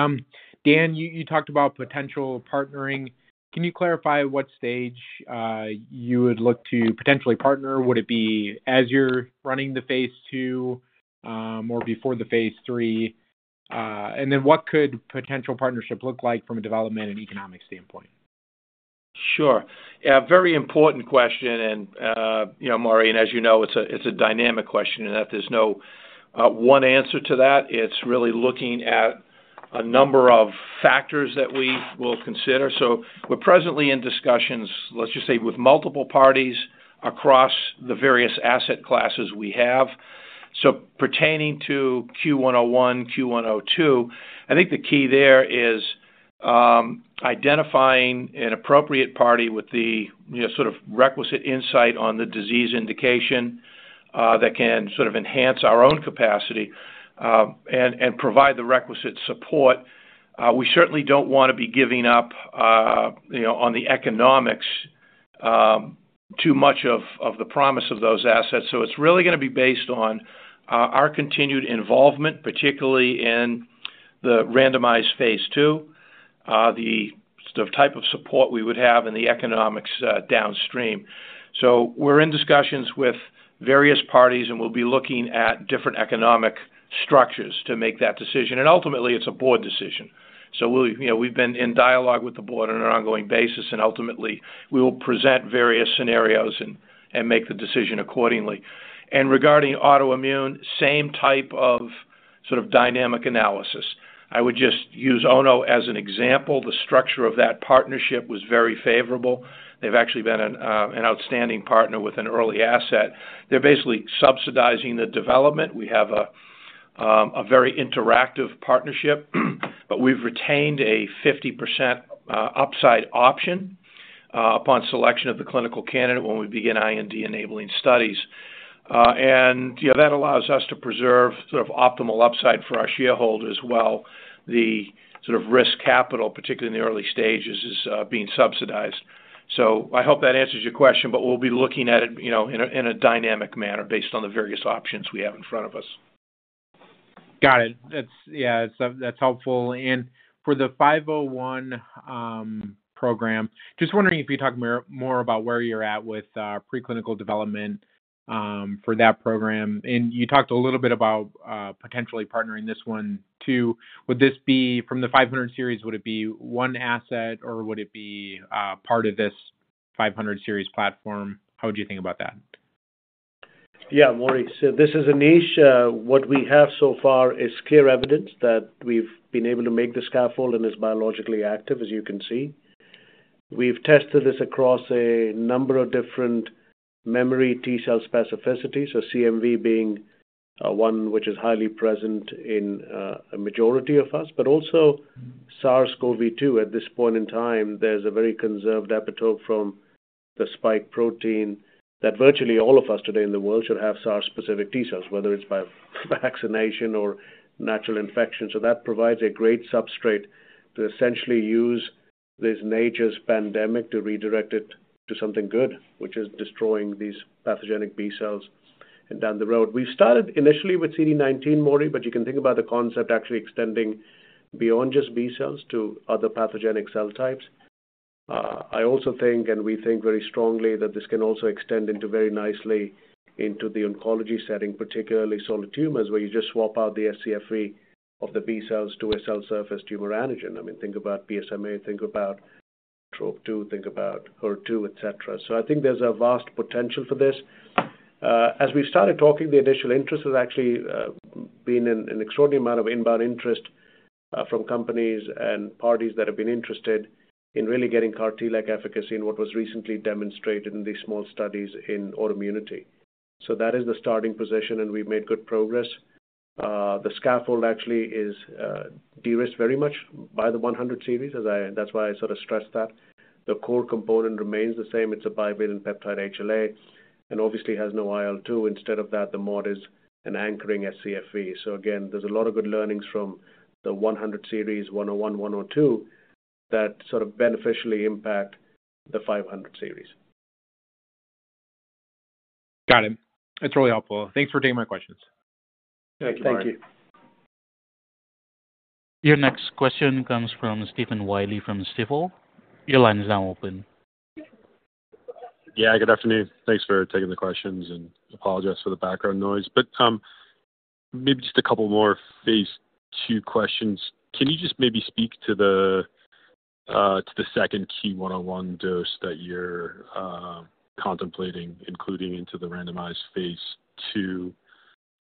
Dan, you talked about potential partnering. Can you clarify what stage you would look to potentially partner? Would it be as you're running the phase II, or before the phase III? And then what could potential partnership look like from a development and economic standpoint? Sure. A very important question, and, you know, Maury, and as you know, it's a dynamic question, and that there's no one answer to that. It's really looking at a number of factors that we will consider. So we're presently in discussions, let's just say, with multiple parties across the various asset classes we have. So pertaining to CUE-101, CUE-102, I think the key there is identifying an appropriate party with the, you know, sort of requisite insight on the disease indication that can sort of enhance our own capacity, and provide the requisite support. We certainly don't want to be giving up, you know, on the economics too much of the promise of those assets. So it's really going to be based on our continued involvement, particularly in the randomized phase II, the type of support we would have in the economics downstream. So we're in discussions with various parties, and we'll be looking at different economic structures to make that decision. And ultimately, it's a Board decision. So we'll, you know, we've been in dialogue with the Board on an ongoing basis, and ultimately, we will present various scenarios and make the decision accordingly. And regarding autoimmune, same type of sort of dynamic analysis. I would just use Ono as an example. The structure of that partnership was very favorable. They've actually been an outstanding partner with an early asset. They're basically subsidizing the development. We have a very interactive partnership, but we've retained a 50% upside option upon selection of the clinical candidate when we begin IND-enabling studies. And, you know, that allows us to preserve sort of optimal upside for our shareholders, while the sort of risk capital, particularly in the early stages, is being subsidized. So I hope that answers your question, but we'll be looking at it, you know, in a dynamic manner based on the various options we have in front of us. Got it. That's... Yeah, that's helpful. For the 501 program, just wondering if you could talk more about where you're at with preclinical development for that program. You talked a little bit about potentially partnering this one, too. Would this be, from the 500 series, would it be one asset, or would it be part of this 500 series platform? How would you think about that? Yeah, Maury. So this is Anish. What we have so far is clear evidence that we've been able to make the scaffold and is biologically active, as you can see. We've tested this across a number of different memory T cell specificities, so CMV being one which is highly present in a majority of us, but also SARS-CoV-2. At this point in time, there's a very conserved epitope from the spike protein that virtually all of us today in the world should have SARS-specific T cells, whether it's by vaccination or natural infection. So that provides a great substrate to essentially use this nature's pandemic to redirect it to something good, which is destroying these pathogenic B cells and down the road. We started initially with CD19, Maury, but you can think about the concept actually extending beyond just B cells to other pathogenic cell types. I also think, and we think very strongly, that this can also extend very nicely into the oncology setting, particularly solid tumors, where you just swap out the scFv of the B cells to a cell surface tumor antigen. I mean, think about PSMA, think about TROP2, think about HER2, et cetera. So I think there's a vast potential for this. As we've started talking, the initial interest has actually been an extraordinary amount of inbound interest from companies and parties that have been interested in really getting CAR-T like efficacy in what was recently demonstrated in these small studies in autoimmunity. So that is the starting position, and we've made good progress. The scaffold actually is de-risked very much by the 100 series, as I, that's why I sort of stressed that. The core component remains the same. It's a bivalent peptide-HLA and obviously has no IL-2. Instead of that, the mod is an anchoring scFv. So again, there's a lot of good learnings from the 100 series, 101, 102, that sort of beneficially impact the 500 series. Got it. That's really helpful. Thanks for taking my questions. Thank you. Your next question comes from Stephen Willey, from Stifel. Your line is now open. ...Yeah, good afternoon. Thanks for taking the questions, and apologize for the background noise. But, maybe just a couple more phase II questions. Can you just maybe speak to the, to the second CUE-101 dose that you're contemplating, including into the randomized phase II?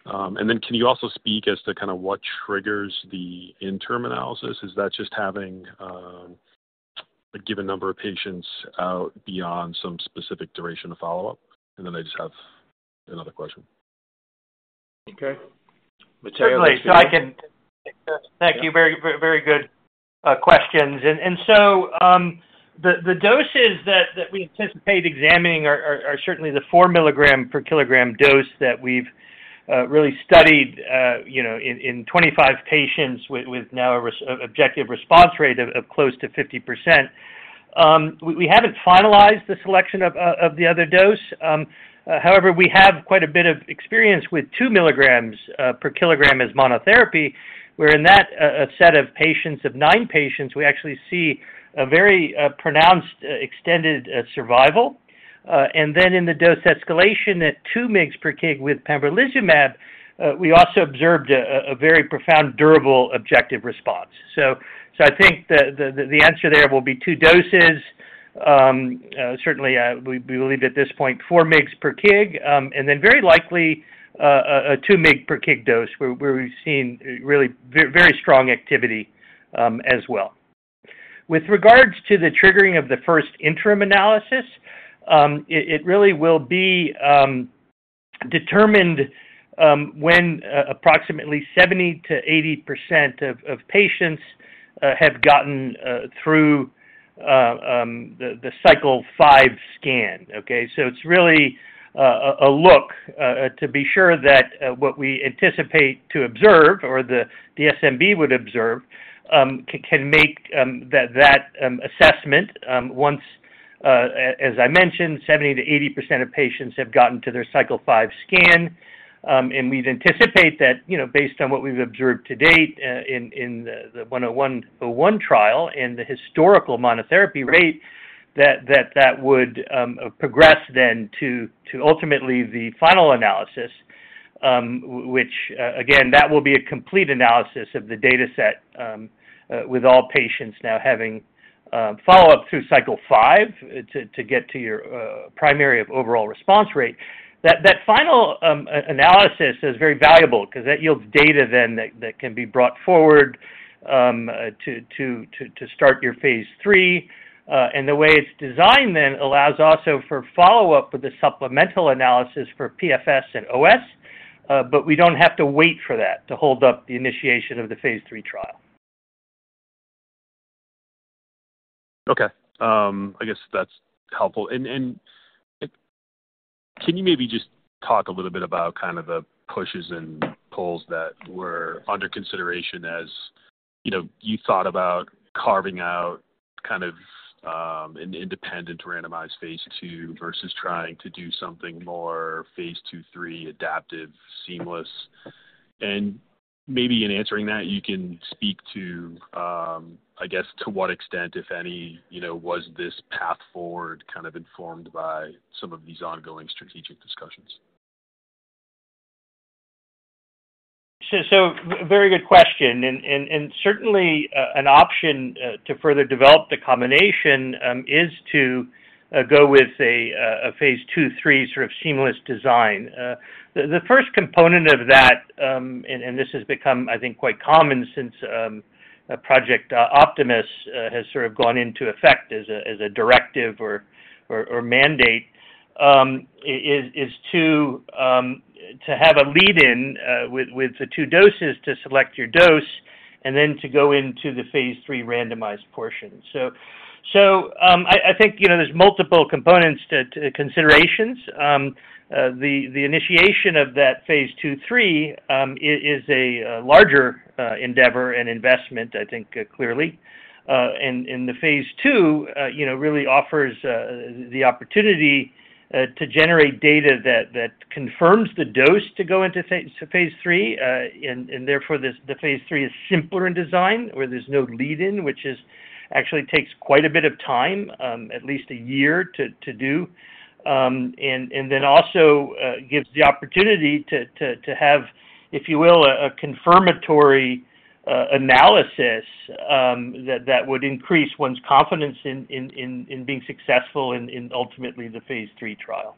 And then can you also speak as to kind of what triggers the interim analysis? Is that just having a given number of patients out beyond some specific duration of follow-up? And then I just have another question. Okay. Matteo- Certainly, so I can. Thank you. Very, very good questions. And so, the doses that we anticipate examining are certainly the 4 mg/kg dose that we've really studied, you know, in 25 patients with now an objective response rate of close to 50%. We haven't finalized the selection of the other dose. However, we have quite a bit of experience with 2 mgs/kg as monotherapy, where in that set of patients, nine patients, we actually see a very pronounced, extended survival. And then in the dose escalation at 2 mg/kg with pembrolizumab, we also observed a very profound, durable objective response. So I think the answer there will be two doses. Certainly, we believe at this point, 4 mg/kg, and then very likely, a 2 mg/kg dose, where we've seen really very strong activity, as well. With regards to the triggering of the first interim analysis, it really will be determined when approximately 70%-80% of patients have gotten through the cycle 5 scan, okay? So it's really a look to be sure that what we anticipate to observe or the [SMB] would observe can make that assessment. Once, as I mentioned, 70%-80% of patients have gotten to their cycle 5 scan. And we'd anticipate that, you know, based on what we've observed to date, in the 101 trial and the historical monotherapy rate, that would progress then to ultimately the final analysis, which, again, that will be a complete analysis of the dataset, with all patients now having follow-up through cycle 5, to get to your primary of overall response rate. That final analysis is very valuable 'cause that yields data then, that can be brought forward, to start your phase III. And the way it's designed then allows also for follow-up with the supplemental analysis for PFS and OS, but we don't have to wait for that to hold up the initiation of the phase III trial. Okay, I guess that's helpful. And, and can you maybe just talk a little bit about kind of the pushes and pulls that were under consideration, as, you know, you thought about carving out kind of, an independent randomized phase II versus trying to do something more phase II, III, adaptive, seamless? And maybe in answering that, you can speak to, I guess, to what extent, if any, you know, was this path forward kind of informed by some of these ongoing strategic discussions? Very good question, and certainly an option to further develop the combination is to go with a phase II, phase III sort of seamless design. The first component of that, and this has become, I think, quite common since Project Optimus has sort of gone into effect as a directive or mandate, is to have a lead-in with the two doses to select your dose and then to go into the phase III randomized portion. So, I think, you know, there's multiple components to considerations. The initiation of that phase II/III is a larger endeavor and investment, I think, clearly, and the phase II, you know, really offers the opportunity to generate data that confirms the dose to go into phase III, and therefore, the phase III is simpler in design, where there's no lead-in, which actually takes quite a bit of time, at least a year to do. And then also gives the opportunity to have, if you will, a confirmatory analysis that would increase one's confidence in being successful in ultimately the phase III trial.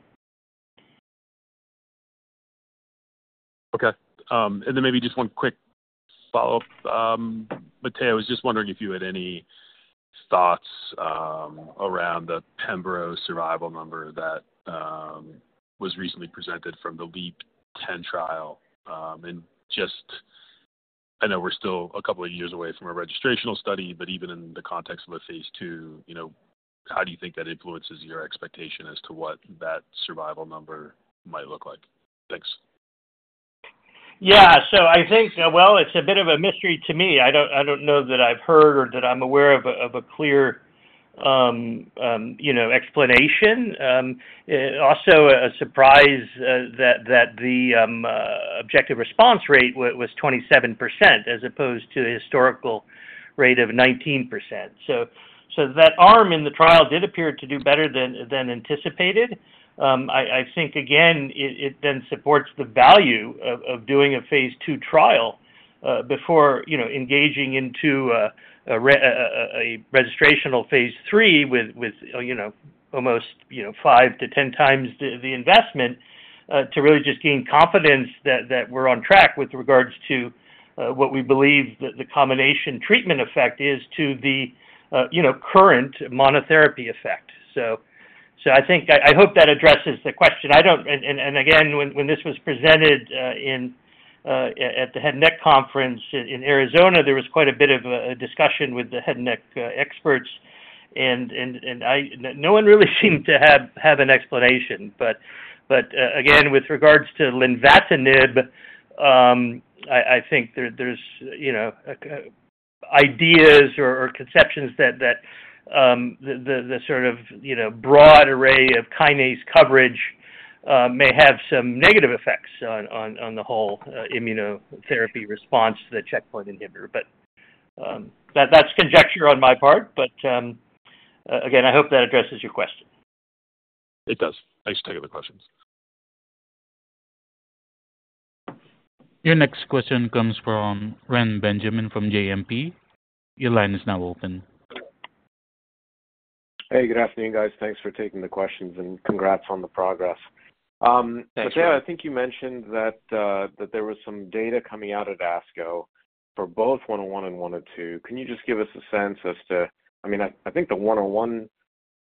Okay, and then maybe just one quick follow-up. Matteo, I was just wondering if you had any thoughts around the pembro survival number that was recently presented from the LEAP-10 trial. And just, I know we're still a couple of years away from a registrational study, but even in the context of a phase II, you know, how do you think that influences your expectation as to what that survival number might look like? Thanks. Yeah. So I think, well, it's a bit of a mystery to me. I don't know that I've heard or that I'm aware of a clear, you know, explanation. Also a surprise that the objective response rate was 27%, as opposed to the historical, ...rate of 19%. So that arm in the trial did appear to do better than anticipated. I think, again, it then supports the value of doing a phase II trial before, you know, engaging into a registrational phase III with, you know, almost, you know, 5-10 times the investment to really just gain confidence that we're on track with regards to what we believe the combination treatment effect is to the, you know, current monotherapy effect. So I think I hope that addresses the question. I don't... And again, when this was presented at the Head and Neck Conference in Arizona, there was quite a bit of a discussion with the head and neck experts, and I... No one really seemed to have an explanation. But again, with regards to lenvatinib, I think there's, you know, ideas or conceptions that the sort of, you know, broad array of kinase coverage may have some negative effects on the whole immunotherapy response to the checkpoint inhibitor. But that's conjecture on my part, but again, I hope that addresses your question. It does. Thanks for taking the questions. Your next question comes from Reni Benjamin from JMP. Your line is now open. Hey, good afternoon, guys. Thanks for taking the questions, and congrats on the progress. Thank you. But yeah, I think you mentioned that that there was some data coming out at ASCO for both 101 and 102. Can you just give us a sense as to... I mean, I think the 101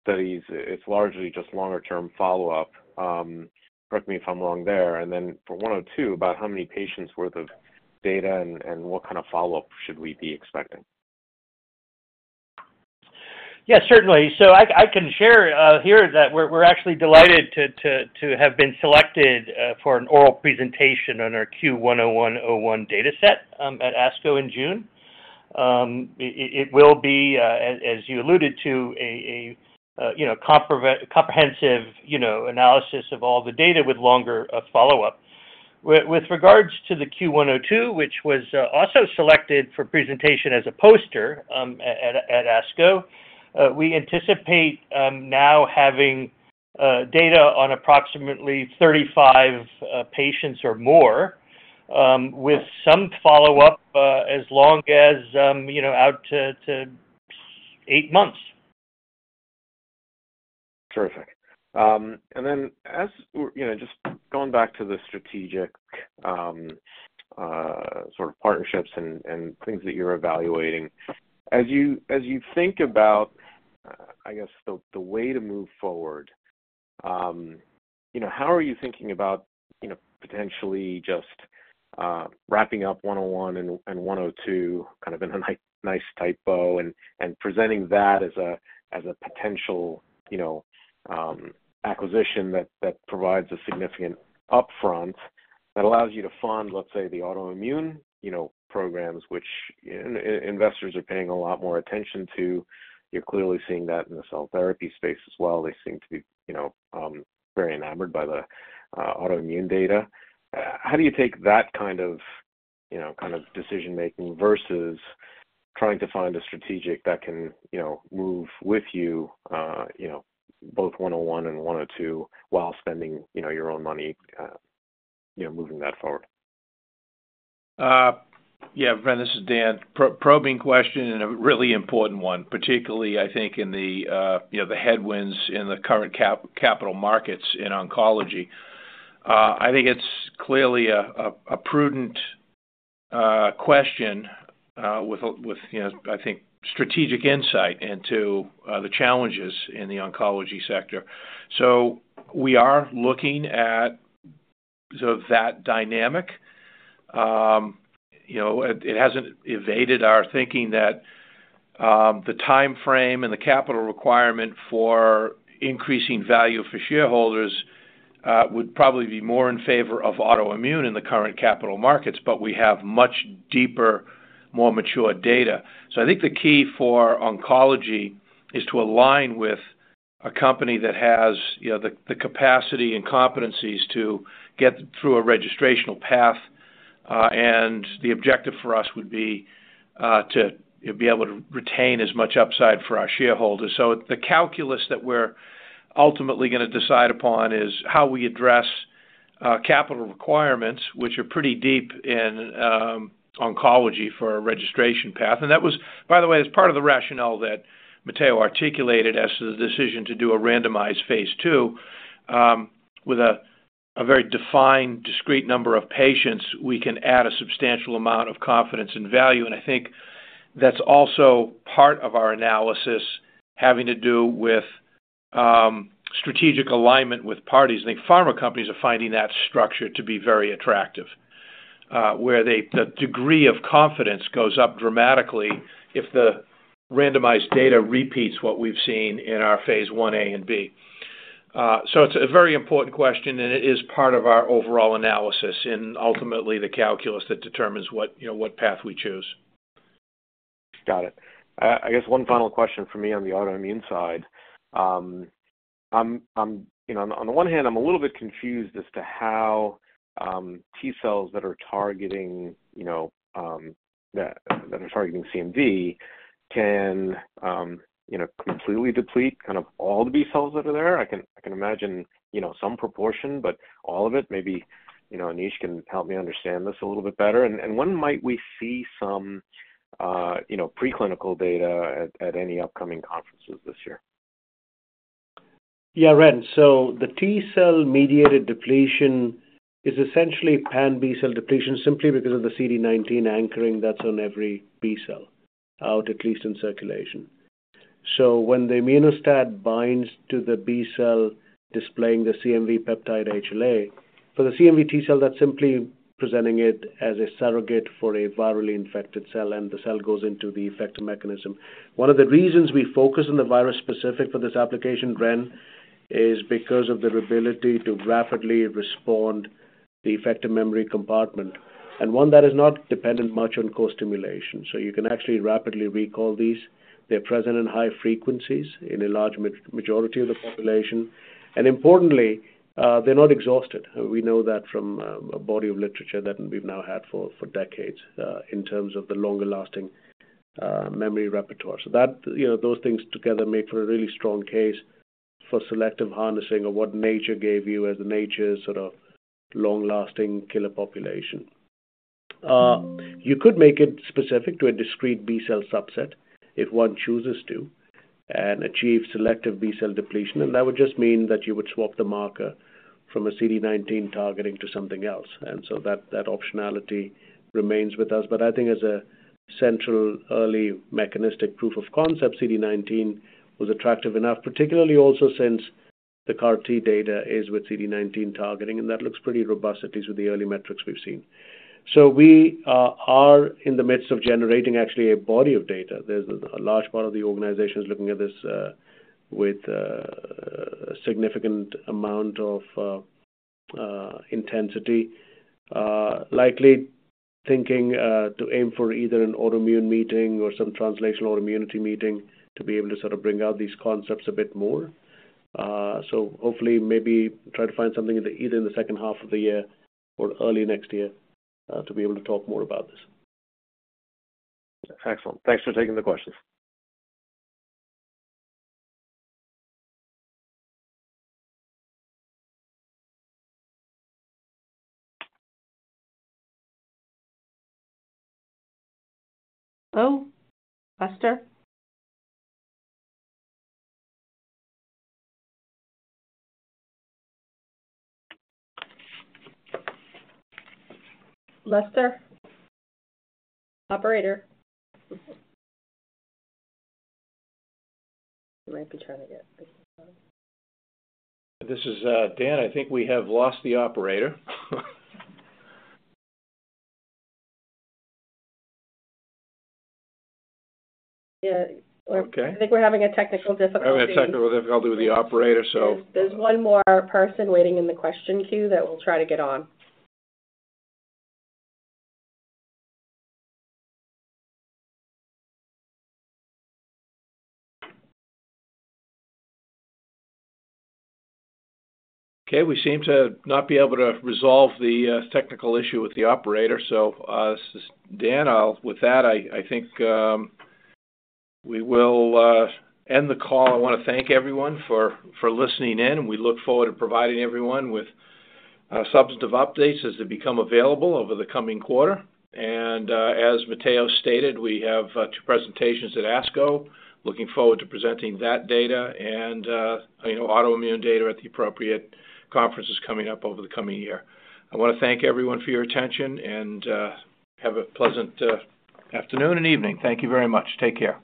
studies, it's largely just longer term follow-up. Correct me if I'm wrong there. And then for 102, about how many patients worth of data and what kind of follow-up should we be expecting? Yeah, certainly. So I can share here that we're actually delighted to have been selected for an oral presentation on our CUE-101 dataset at ASCO in June. It will be, as you alluded to, a comprehensive analysis of all the data with longer follow-up. With regards to the CUE-102, which was also selected for presentation as a poster at ASCO, we anticipate now having data on approximately 35 patients or more with some follow-up as long as you know out to 8 months. Terrific. And then as we're... You know, just going back to the strategic, sort of partnerships and things that you're evaluating. As you think about, I guess, the way to move forward, you know, how are you thinking about, you know, potentially just wrapping up 101 and 102, kind of in a nice tie-up, and presenting that as a potential, you know, acquisition that provides a significant upfront that allows you to fund, let's say, the autoimmune, you know, programs, which investors are paying a lot more attention to? You're clearly seeing that in the cell therapy space as well. They seem to be, you know, very enamored by the autoimmune data. How do you take that kind of, you know, kind of decision-making versus trying to find a strategic that can, you know, move with you, you know, both 101 and 102, while spending, you know, your own money, you know, moving that forward? Yeah, Reni, this is Dan. Probing question and a really important one, particularly, I think, in the, you know, the headwinds in the current capital markets in oncology. I think it's clearly a prudent question with, you know, I think, strategic insight into the challenges in the oncology sector. So we are looking at sort of that dynamic. You know, it hasn't evaded our thinking that the timeframe and the capital requirement for increasing value for shareholders would probably be more in favor of autoimmune in the current capital markets, but we have much deeper, more mature data. So I think the key for oncology is to align with a company that has, you know, the capacity and competencies to get through a registrational path, and the objective for us would be to be able to retain as much upside for our shareholders. So the calculus that we're ultimately going to decide upon is how we address capital requirements, which are pretty deep in oncology for a registration path. And that was, by the way, as part of the rationale that Matteo articulated as to the decision to do a randomized phase II, with a very defined, discrete number of patients, we can add a substantial amount of confidence and value. And I think that's also part of our analysis, having to do with strategic alignment with parties. I think pharma companies are finding that structure to be very attractive. The degree of confidence goes up dramatically if the randomized data repeats what we've seen in our phase I-A and B. So it's a very important question, and it is part of our overall analysis in ultimately the calculus that determines what, you know, what path we choose. Got it. I guess one final question for me on the autoimmune side. You know, on the one hand, I'm a little bit confused as to how T cells that are targeting, you know, that are targeting CMV can, you know, completely deplete kind of all the B cells that are there. I can imagine, you know, some proportion, but all of it, maybe, you know, Anish can help me understand this a little bit better. And when might we see some, you know, preclinical data at any upcoming conferences this year? Yeah, Reni. So the T cell mediated depletion is essentially Pan B cell depletion, simply because of the CD19 anchoring that's on every B cell, or at least in circulation. So when the Immuno-STAT binds to the B cell, displaying the CMV peptide HLA, for the CMV T cell, that's simply presenting it as a surrogate for a virally infected cell, and the cell goes into the effector mechanism. One of the reasons we focus on the virus specific for this application, Reni, is because of their ability to rapidly respond the effector memory compartment, and one that is not dependent much on co-stimulation. So you can actually rapidly recall these. They're present in high frequencies in a large majority of the population, and importantly, they're not exhausted. We know that from a body of literature that we've now had for decades in terms of the longer-lasting memory repertoire. So that, you know, those things together make for a really strong case for selective harnessing of what nature gave you as nature's sort of long-lasting killer population. You could make it specific to a discrete B-cell subset if one chooses to, and achieve selective B-cell depletion, and that would just mean that you would swap the marker from a CD19 targeting to something else. And so that optionality remains with us. But I think as a central early mechanistic proof of concept, CD19 was attractive enough, particularly also since the CAR-T data is with CD19 targeting, and that looks pretty robust, at least with the early metrics we've seen. So we are in the midst of generating actually a body of data. There's a large part of the organization is looking at this with a significant amount of intensity. Likely thinking to aim for either an autoimmune meeting or some translational immunity meeting to be able to sort of bring out these concepts a bit more. So hopefully maybe try to find something either in the second half of the year or early next year to be able to talk more about this. Excellent. Thanks for taking the questions. Hello, Lester? Lester? Operator This is, Dan. I think we have lost the Operator. Yeah. Okay. I think we're having a technical difficulty. Having a technical difficulty with the Operator, so- There's one more person waiting in the question queue that we'll try to get on. Okay, we seem to not be able to resolve the technical issue with the operator. So, this is Dan. With that, I think we will end the call. I want to thank everyone for listening in. We look forward to providing everyone with substantive updates as they become available over the coming quarter. And as Matteo stated, we have two presentations at ASCO. Looking forward to presenting that data and you know, autoimmune data at the appropriate conferences coming up over the coming year. I want to thank everyone for your attention, and have a pleasant afternoon and evening. Thank you very much. Take care.